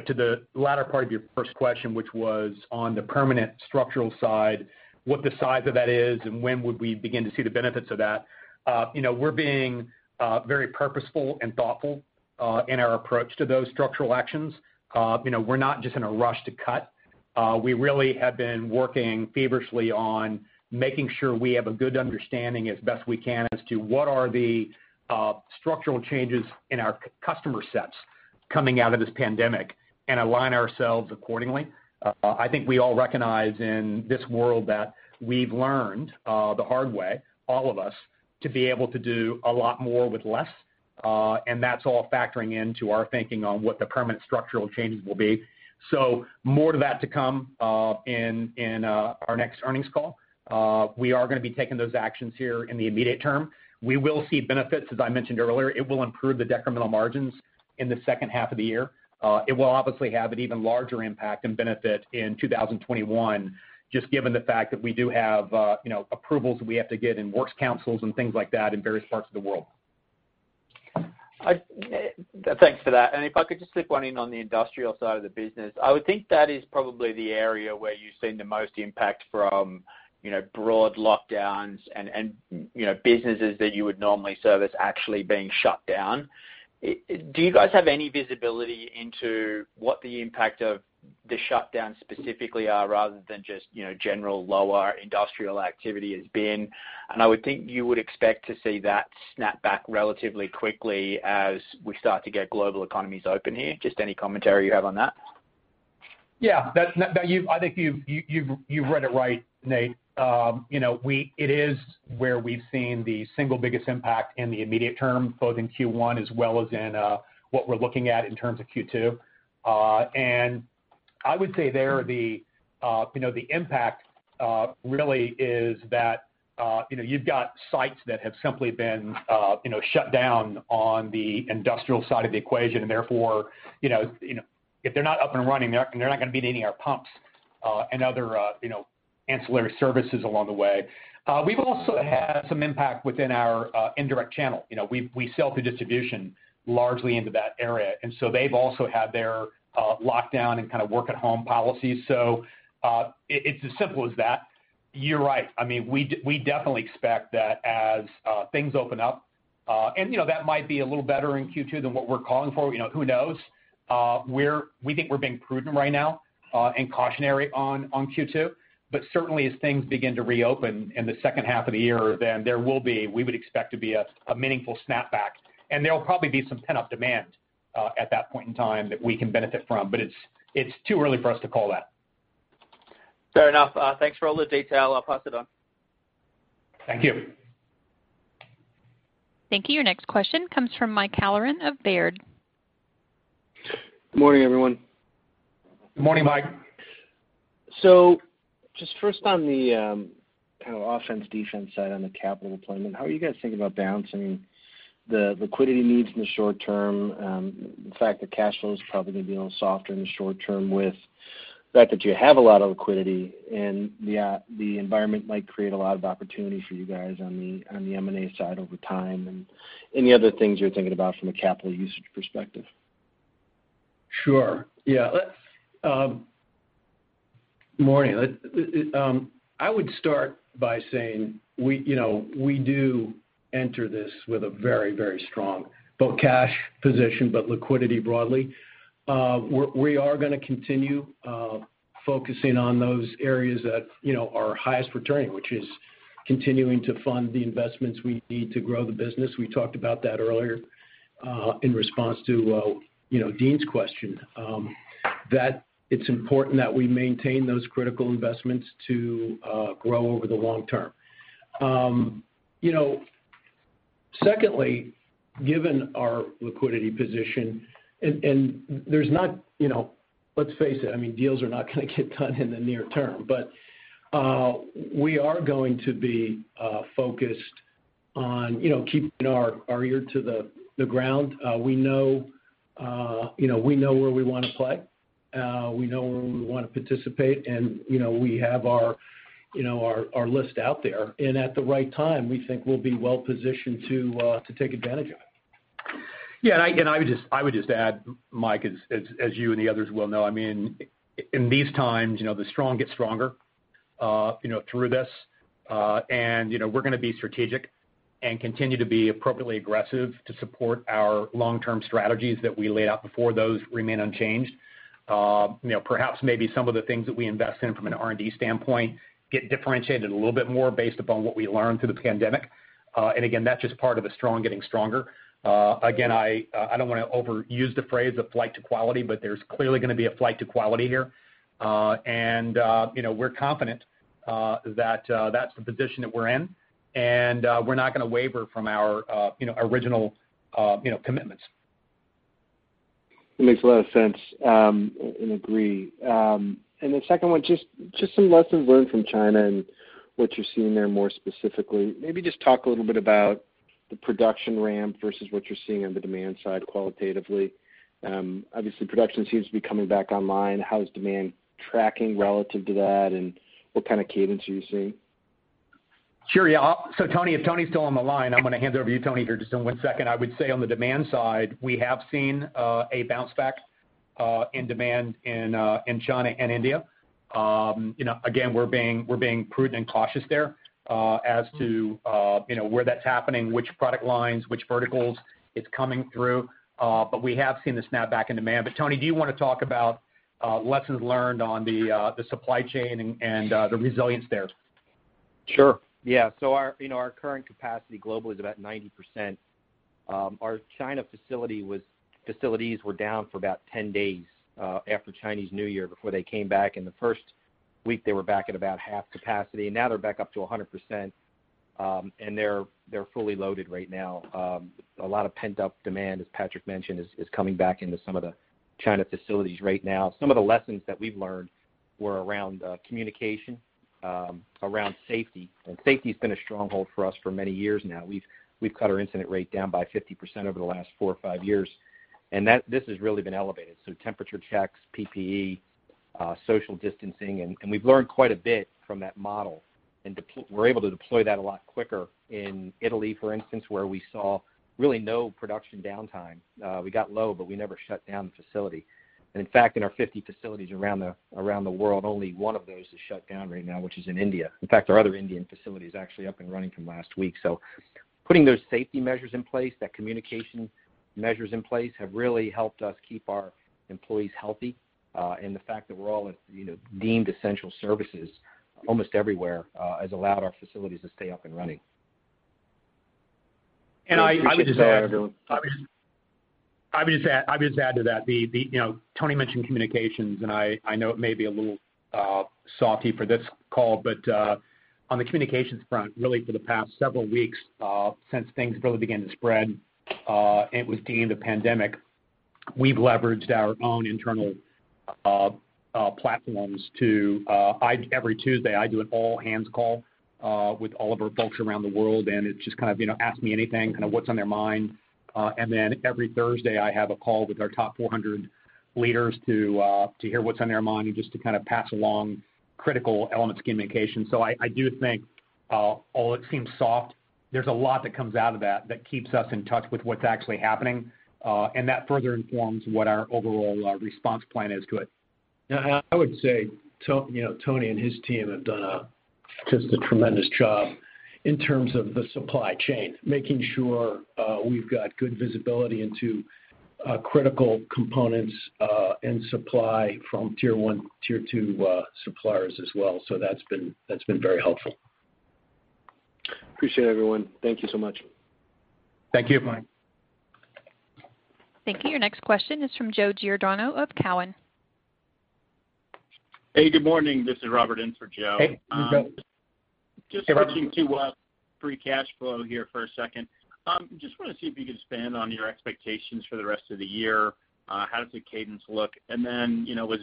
To the latter part of your first question, which was on the permanent structural side, what the size of that is, and when would we begin to see the benefits of that? We're being very purposeful and thoughtful in our approach to those structural actions. We're not just in a rush to cut. We really have been working feverishly on making sure we have a good understanding as best we can as to what are the structural changes in our customer sets coming out of this pandemic. Align ourselves accordingly. I think we all recognize in this world that we've learned the hard way, all of us, to be able to do a lot more with less. That's all factoring into our thinking on what the permanent structural changes will be. More of that to come in our next earnings call. We are going to be taking those actions here in the immediate term. We will see benefits, as I mentioned earlier. It will improve the decremental margins in the second half of the year. It will obviously have an even larger impact and benefit in 2021, just given the fact that we do have approvals that we have to get in works councils and things like that in various parts of the world. Thanks for that. If I could just slip one in on the industrial side of the business, I would think that is probably the area where you've seen the most impact from broad lockdowns and businesses that you would normally service actually being shut down. Do you guys have any visibility into what the impact of the shutdown specifically are, rather than just general lower industrial activity has been? I would think you would expect to see that snap back relatively quickly as we start to get global economies open here. Just any commentary you have on that? Yeah. I think you've read it right, Nate. It is where we've seen the single biggest impact in the immediate term, both in Q1 as well as in what we're looking at in terms of Q2. I would say there, the impact really is that you've got sites that have simply been shut down on the industrial side of the equation, and therefore, if they're not up and running, they're not going to be needing our pumps and other ancillary services along the way. We've also had some impact within our indirect channel. We sell through distribution largely into that area, and so they've also had their lockdown and work-at-home policies. It's as simple as that. You're right. We definitely expect that as things open up, and that might be a little better in Q2 than what we're calling for. Who knows? We think we're being prudent right now and cautionary on Q2, certainly as things begin to reopen in the second half of the year, we would expect to be a meaningful snapback. There will probably be some pent-up demand at that point in time that we can benefit from. It's too early for us to call that. Fair enough. Thanks for all the detail. I'll pass it on. Thank you. Thank you. Your next question comes from Mike Halloran of Baird. Good morning, everyone. Good morning, Mike. Just first on the kind of offense, defense side on the capital deployment, how are you guys thinking about balancing the liquidity needs in the short term? In fact, the cash flow is probably going to be a little softer in the short term with the fact that you have a lot of liquidity, and the environment might create a lot of opportunity for you guys on the M&A side over time, and any other things you're thinking about from a capital usage perspective? Sure. Yeah. Morning. I would start by saying we do enter this with a very, very strong both cash position, but liquidity broadly. We are going to continue focusing on those areas that are highest returning, which is continuing to fund the investments we need to grow the business. We talked about that earlier in response to Deane's question, that it's important that we maintain those critical investments to grow over the long term. Secondly, given our liquidity position, let's face it, deals are not going to get done in the near term. We are going to be focused on keeping our ear to the ground. We know where we want to play. We know where we want to participate, and we have our list out there. At the right time, we think we'll be well-positioned to take advantage of it. Yeah, I would just add, Mike, as you and the others well know, in these times, the strong get stronger through this. We're going to be strategic and continue to be appropriately aggressive to support our long-term strategies that we laid out before. Those remain unchanged. Perhaps maybe some of the things that we invest in from an R&D standpoint get differentiated a little bit more based upon what we learn through the pandemic. Again, that's just part of a strong getting stronger. Again, I don't want to overuse the phrase of flight to quality, but there's clearly going to be a flight to quality here. We're confident that's the position that we're in, and we're not going to waver from our original commitments. It makes a lot of sense, and agree. The second one, just some lessons learned from China and what you're seeing there more specifically. Maybe just talk a little bit about the production ramp versus what you're seeing on the demand side qualitatively. Obviously, production seems to be coming back online. How is demand tracking relative to that, and what kind of cadence are you seeing? Sure. Yeah. Tony, if Tony's still on the line, I'm going to hand it over to you, Tony, here just in one second. I would say on the demand side, we have seen a bounce back in demand in China and India. Again, we're being prudent and cautious there as to where that's happening, which product lines, which verticals it's coming through. We have seen the snapback in demand. Tony, do you want to talk about lessons learned on the supply chain and the resilience there? Sure. Yeah. Our current capacity globally is about 90%. Our China facilities were down for about 10 days after Chinese New Year, before they came back. The first week, they were back at about half capacity, and now they're back up to 100%, and they're fully loaded right now. A lot of pent-up demand, as Patrick mentioned, is coming back into some of the China facilities right now. Some of the lessons that we've learned were around communication, around safety, and safety's been a stronghold for us for many years now. We've cut our incident rate down by 50% over the last four or five years, and this has really been elevated, so temperature checks, PPE, social distancing, and we've learned quite a bit from that model. We were able to deploy that a lot quicker in Italy, for instance, where we saw really no production downtime. We got low, but we never shut down the facility. In fact, in our 50 facilities around the world, only one of those is shut down right now, which is in India. In fact, our other Indian facility is actually up and running from last week. Putting those safety measures in place, that communication measures in place, have really helped us keep our employees healthy. The fact that we're all deemed essential services almost everywhere has allowed our facilities to stay up and running. I'll just add to that. Tony mentioned communications, and I know it may be a little salty for this call, but on the communications front, really for the past several weeks since things really began to spread, and it was deemed a pandemic, we've leveraged our own internal platforms to Every Tuesday, I do an all-hands call with all of our folks around the world, and it's just kind of ask me anything, kind of what's on their mind. Every Thursday, I have a call with our top 400 leaders to hear what's on their mind and just to pass along critical elements, communication. I do think, although it seems soft, there's a lot that comes out of that that keeps us in touch with what's actually happening. That further informs what our overall response plan is going to be. Yeah, I would say, Tony and his team have done just a tremendous job in terms of the supply chain, making sure we've got good visibility into critical components and supply from tier 1, tier 2 suppliers as well. That's been very helpful. Appreciate it, everyone. Thank you so much. Thank you. Bye. Thank you. Your next question is from Joe Giordano of Cowen. Hey, good morning. This is Robert in for Joe. [Hey, this is Joe]. Just touching to free cash flow here for a second. Just want to see if you could expand on your expectations for the rest of the year. How does the cadence look? As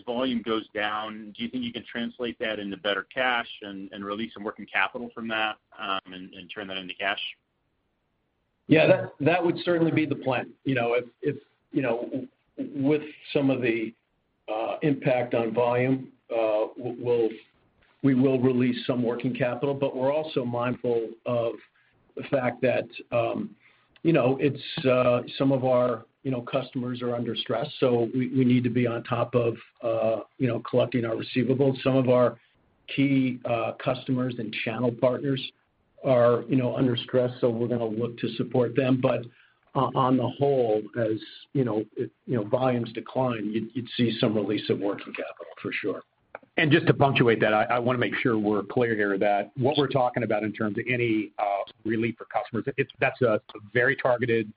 volume goes down, do you think you can translate that into better cash and release some working capital from that, and turn that into cash? Yeah, that would certainly be the plan. With some of the impact on volume, we will release some working capital, but we're also mindful of the fact that some of our customers are under stress, so we need to be on top of collecting our receivables. Some of our key customers and channel partners are under stress, so we're going to look to support them. On the whole, as volumes decline, you'd see some release of working capital, for sure. Just to punctuate that, I want to make sure we're clear here that what we're talking about in terms of any relief for customers, that's very targeted,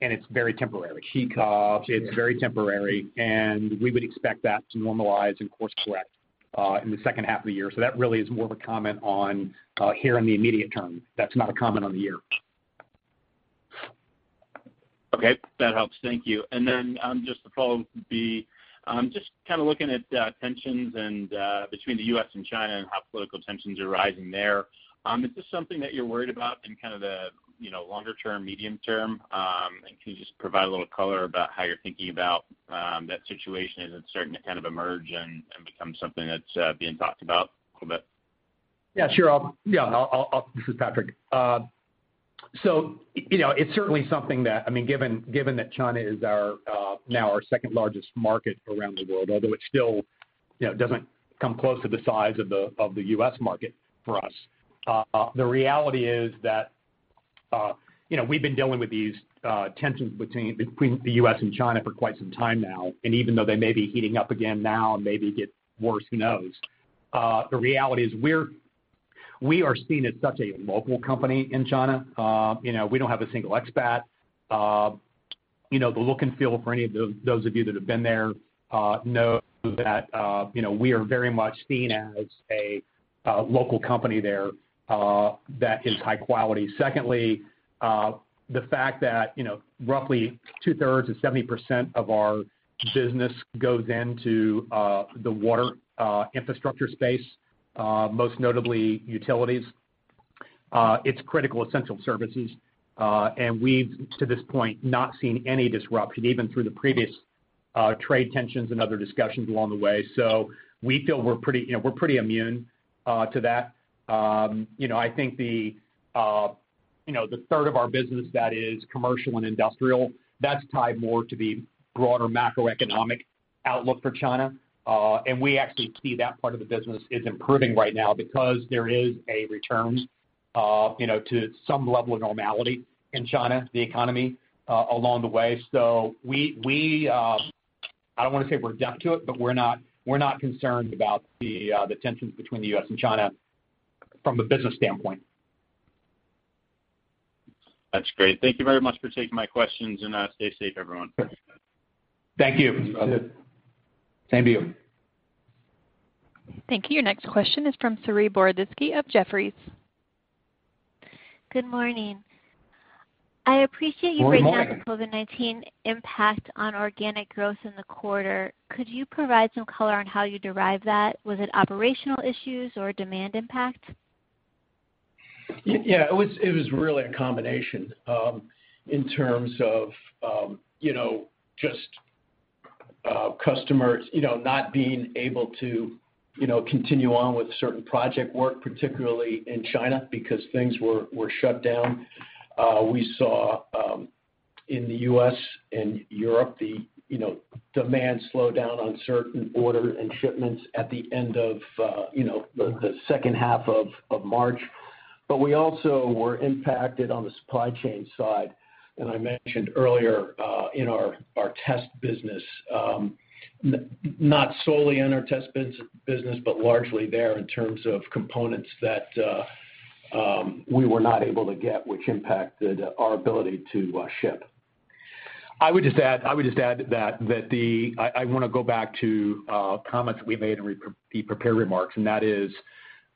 and it's very temporary. It's very temporary, and we would expect that to normalize and course correct in the second half of the year. That really is more of a comment on here in the immediate term. That's not a comment on the year. Okay. That helps. Thank you. Just to follow up, just kind of looking at tensions between the U.S. and China and how political tensions are rising there, is this something that you're worried about in the longer term, medium term? Can you just provide a little color about how you're thinking about that situation as it's starting to kind of emerge and become something that's being talked about a little bit? Yeah, sure. This is Patrick. It's certainly something that, given that China is now our second-largest market around the world, although it still doesn't come close to the size of the U.S. market for us. The reality is that we've been dealing with these tensions between the U.S. and China for quite some time now. Even though they may be heating up again now and maybe get worse, who knows? The reality is we are seen as such a local company in China. We don't have a single expat. The look and feel for any of those of you that have been there know that we are very much seen as a local company there that is high quality. Secondly, the fact that roughly two-thirds or 70% of our business goes into the Water Infrastructure space, most notably utilities it's critical, essential services. We've, to this point, not seen any disruption, even through the previous trade tensions and other discussions along the way. We feel we're pretty immune to that. I think the third of our business that is commercial and industrial, that's tied more to the broader macroeconomic outlook for China. We actually see that part of the business is improving right now because there is a return to some level of normality in China, the economy, along the way. I don't want to say we're deaf to it, but we're not concerned about the tensions between the U.S. and China from a business standpoint. That's great. Thank you very much for taking my questions, and stay safe, everyone. Thank you. Thank you. Thank you. Your next question is from Saree Boroditsky of Jefferies. Good morning. Good morning. Good morning. I appreciate you breaking down the COVID-19 impact on organic growth in the quarter. Could you provide some color on how you derived that? Was it operational issues or demand impact? Yeah, it was really a combination in terms of just customers not being able to continue on with certain project work, particularly in China, because things were shut down. We saw in the U.S. and Europe, the demand slow down on certain orders and shipments at the end of the second half of March, but we also were impacted on the supply chain side. I mentioned earlier in our test business, not solely in our test business, but largely there in terms of components that we were not able to get, which impacted our ability to ship. I would just add that I want to go back to comments we made in the prepared remarks, and that is,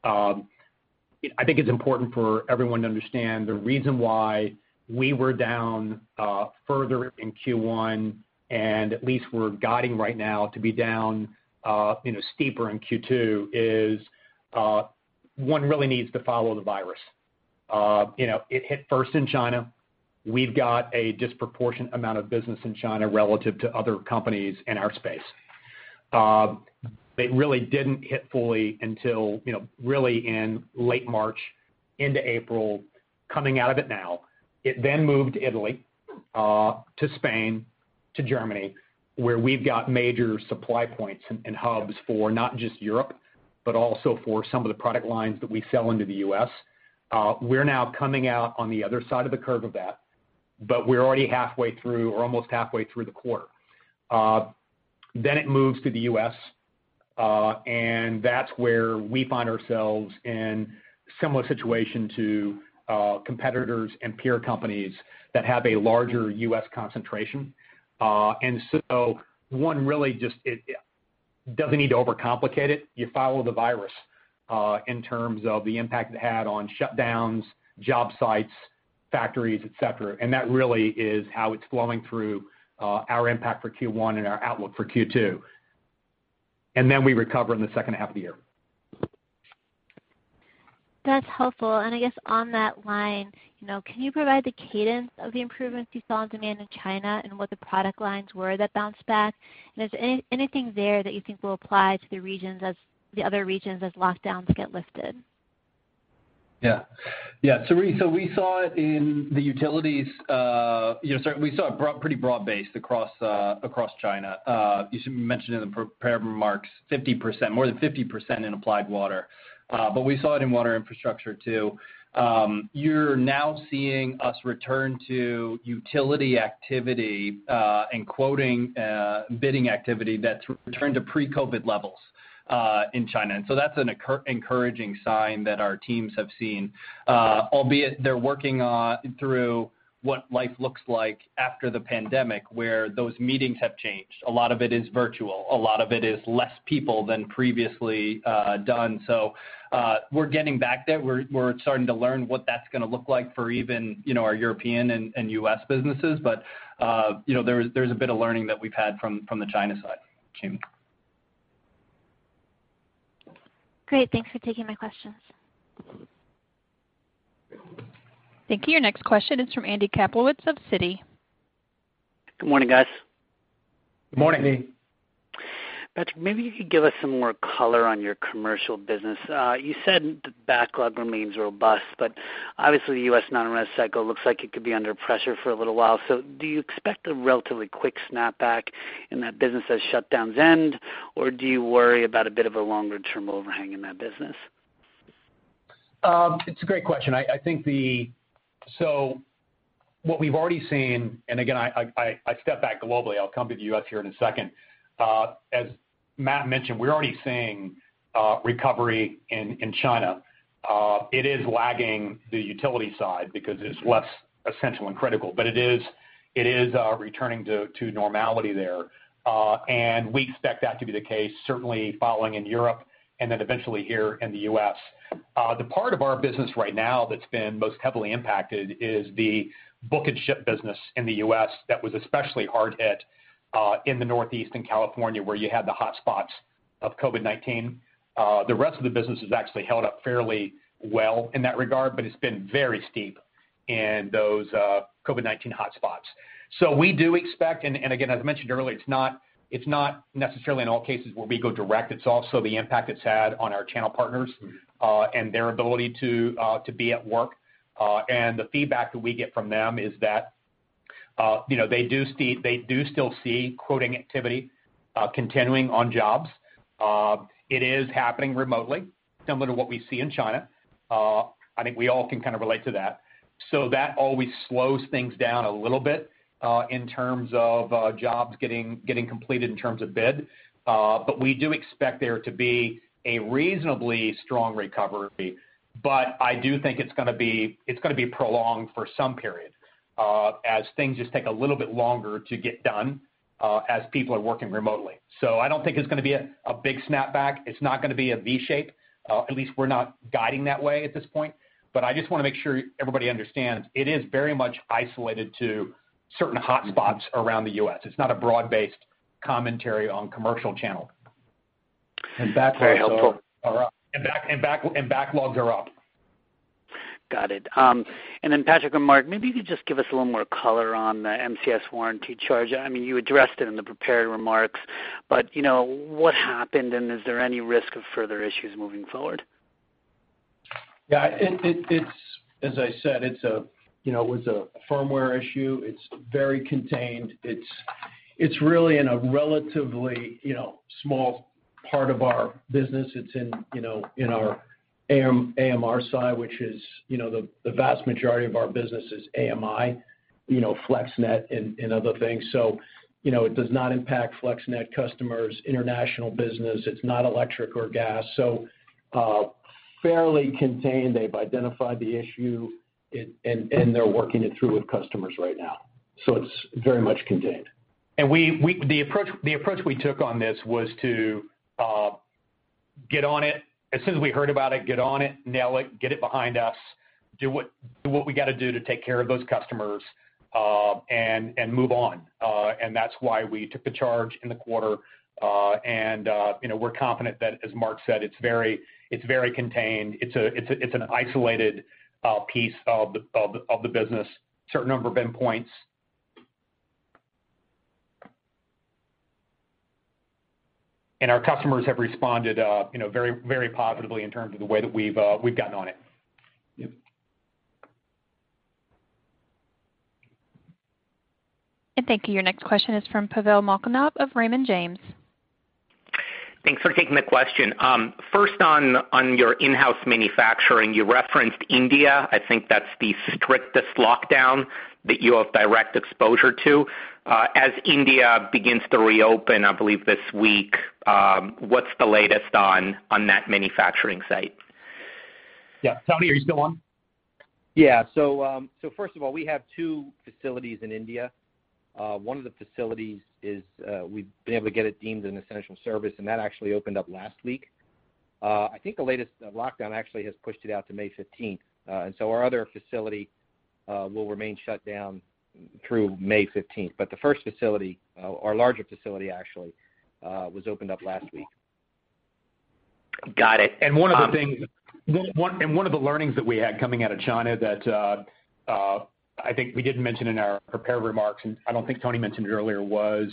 I think it's important for everyone to understand the reason why we were down further in Q1 and at least we're guiding right now to be down steeper in Q2 is, one really needs to follow the virus. It hit first in China. We've got a disproportionate amount of business in China relative to other companies in our space. It really didn't hit fully until really in late March into April, coming out of it now. It then moved to Italy, to Spain, to Germany, where we've got major supply points and hubs for not just Europe, but also for some of the product lines that we sell into the U.S. We're now coming out on the other side of the curve of that, but we're already halfway through, or almost halfway through the quarter. It moves to the U.S., and that's where we find ourselves in a similar situation to competitors and peer companies that have a larger U.S. concentration. One really just doesn't need to overcomplicate it. You follow the virus in terms of the impact it had on shutdowns, job sites, factories, et cetera. That really is how it's flowing through our impact for Q1 and our outlook for Q2. We recover in the second half of the year. That's helpful. I guess on that line, can you provide the cadence of the improvements you saw in demand in China and what the product lines were that bounced back? Is there anything there that you think will apply to the other regions as lockdowns get lifted? Saree, we saw it in the utilities. We saw it pretty broad-based across China. You mentioned in the prepared remarks 50%, more than 50% in Applied Water. We saw it in Water Infrastructure, too. You're now seeing us return to utility activity and quoting bidding activity that's returned to pre-COVID levels in China. That's an encouraging sign that our teams have seen, albeit they're working through what life looks like after the pandemic, where those meetings have changed. A lot of it is virtual. A lot of it is less people than previously done. We're getting back there. We're starting to learn what that's going to look like for even our European and U.S. businesses. There's a bit of learning that we've had from the China side, too. Great. Thanks for taking my questions. Thank you. Your next question is from Andrew Kaplowitz of Citi. Good morning, guys. Good morning. Patrick, maybe you could give us some more color on your commercial business. You said the backlog remains robust, but obviously, the U.S. non-res cycle looks like it could be under pressure for a little while. Do you expect a relatively quick snap back in that business as shutdowns end, or do you worry about a bit of a longer-term overhang in that business? It's a great question. What we've already seen, and again, I step back globally. I'll come to the U.S. here in a second. As Matt mentioned, we're already seeing recovery in China. It is lagging the utility side because it's less essential and critical, but it is returning to normality there. We expect that to be the case, certainly following in Europe and then eventually here in the U.S. The part of our business right now that's been most heavily impacted is the book and ship business in the U.S. that was especially hard hit in the Northeast and California, where you had the hotspots of COVID-19. The rest of the business has actually held up fairly well in that regard, but it's been very steep in those COVID-19 hotspots. We do expect, and again, as mentioned earlier, it's not necessarily in all cases where we go direct. It's also the impact it's had on our channel partners and their ability to be at work. The feedback that we get from them is that they do still see quoting activity continuing on jobs. It is happening remotely, similar to what we see in China. I think we all can relate to that. That always slows things down a little bit, in terms of jobs getting completed in terms of bid. We do expect there to be a reasonably strong recovery. I do think it's going to be prolonged for some period, as things just take a little bit longer to get done, as people are working remotely. I don't think it's going to be a big snapback. It's not going to be a V shape. At least we're not guiding that way at this point. I just want to make sure everybody understands, it is very much isolated to certain hotspots around the U.S. It's not a broad-based commentary on commercial channels. Very helpful. Backlogs are up. Got it. Patrick and Mark, maybe you could just give us a little more color on the MCS warranty charge. You addressed it in the prepared remarks, but what happened, and is there any risk of further issues moving forward? Yeah. As I said, it was a firmware issue. It's very contained. It's really in a relatively small part of our business. It's in our AMR side, which is the vast majority of our business is AMI, FlexNet and other things. It does not impact FlexNet customers, international business. It's not electric or gas. Fairly contained. They've identified the issue, and they're working it through with customers right now. It's very much contained. The approach we took on this was to, as soon as we heard about it, get on it, nail it, get it behind us, do what we got to do to take care of those customers, and move on. That's why we took the charge in the quarter. We're confident that, as Mark said, it's very contained. It's an isolated piece of the business. Certain number of end points. Our customers have responded very positively in terms of the way that we've gotten on it. Yep. Thank you. Your next question is from Pavel Molchanov of Raymond James. Thanks for taking the question. First on your in-house manufacturing, you referenced India. I think that's the strictest lockdown that you have direct exposure to. As India begins to reopen, I believe this week, what's the latest on that manufacturing site? Yeah. Tony, are you still on? Yeah. First of all, we have two facilities in India. One of the facilities is, we've been able to get it deemed an essential service, and that actually opened up last week. I think the latest lockdown actually has pushed it out to May 15th. Our other facility will remain shut down through May 15th. The first facility, our larger facility actually, was opened up last week. Got it. One of the learnings that we had coming out of China that I think we did mention in our prepared remarks, and I don't think Tony mentioned it earlier, was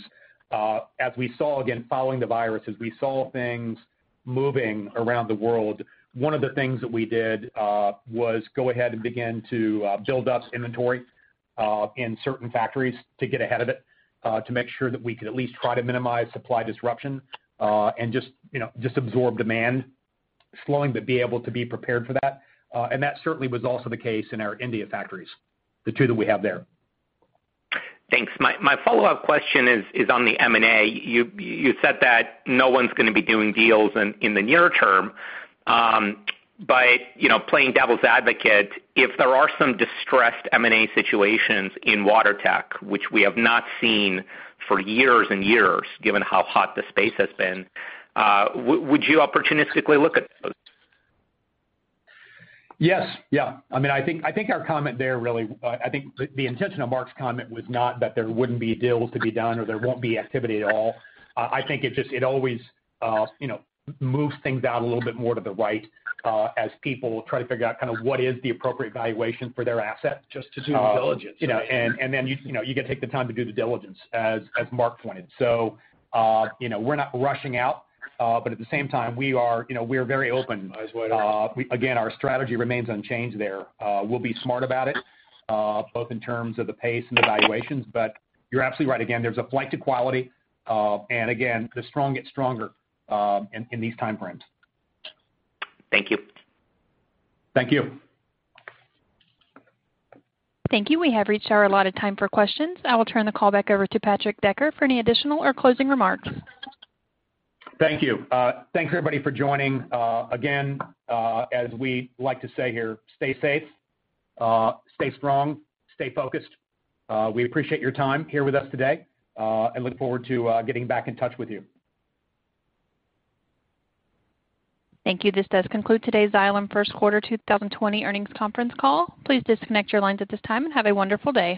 as we saw, again, following the virus, as we saw things moving around the world, one of the things that we did, was go ahead and begin to build up inventory, in certain factories to get ahead of it, to make sure that we could at least try to minimize supply disruption, and just absorb demand slowing, but be able to be prepared for that. That certainly was also the case in our India factories, the two that we have there. Thanks. My follow-up question is on the M&A. You said that no one's going to be doing deals in the near term. Playing devil's advocate, if there are some distressed M&A situations in water tech, which we have not seen for years and years, given how hot the space has been, would you opportunistically look at those? Yes. I think the intention of Mark's comment was not that there wouldn't be deals to be done or there won't be activity at all. I think it always moves things out a little bit more to the right, as people try to figure out what is the appropriate valuation for their asset. Just to do the diligence. Then you got to take the time to do the diligence, as Mark pointed. We're not rushing out. At the same time, we are very open. Eyes wide open. Again, our strategy remains unchanged there. We'll be smart about it, both in terms of the pace and the valuations. You're absolutely right. Again, there's a flight to quality. Again, the strong get stronger, in these time frames. Thank you. Thank you. Thank you. We have reached our allotted time for questions. I will turn the call back over to Patrick Decker for any additional or closing remarks. Thank you. Thanks everybody for joining. Again, as we like to say here, stay safe, stay strong, stay focused. We appreciate your time here with us today, and look forward to getting back in touch with you. Thank you. This does conclude today's Xylem First Quarter 2020 Earnings Conference Call. Please disconnect your lines at this time, and have a wonderful day.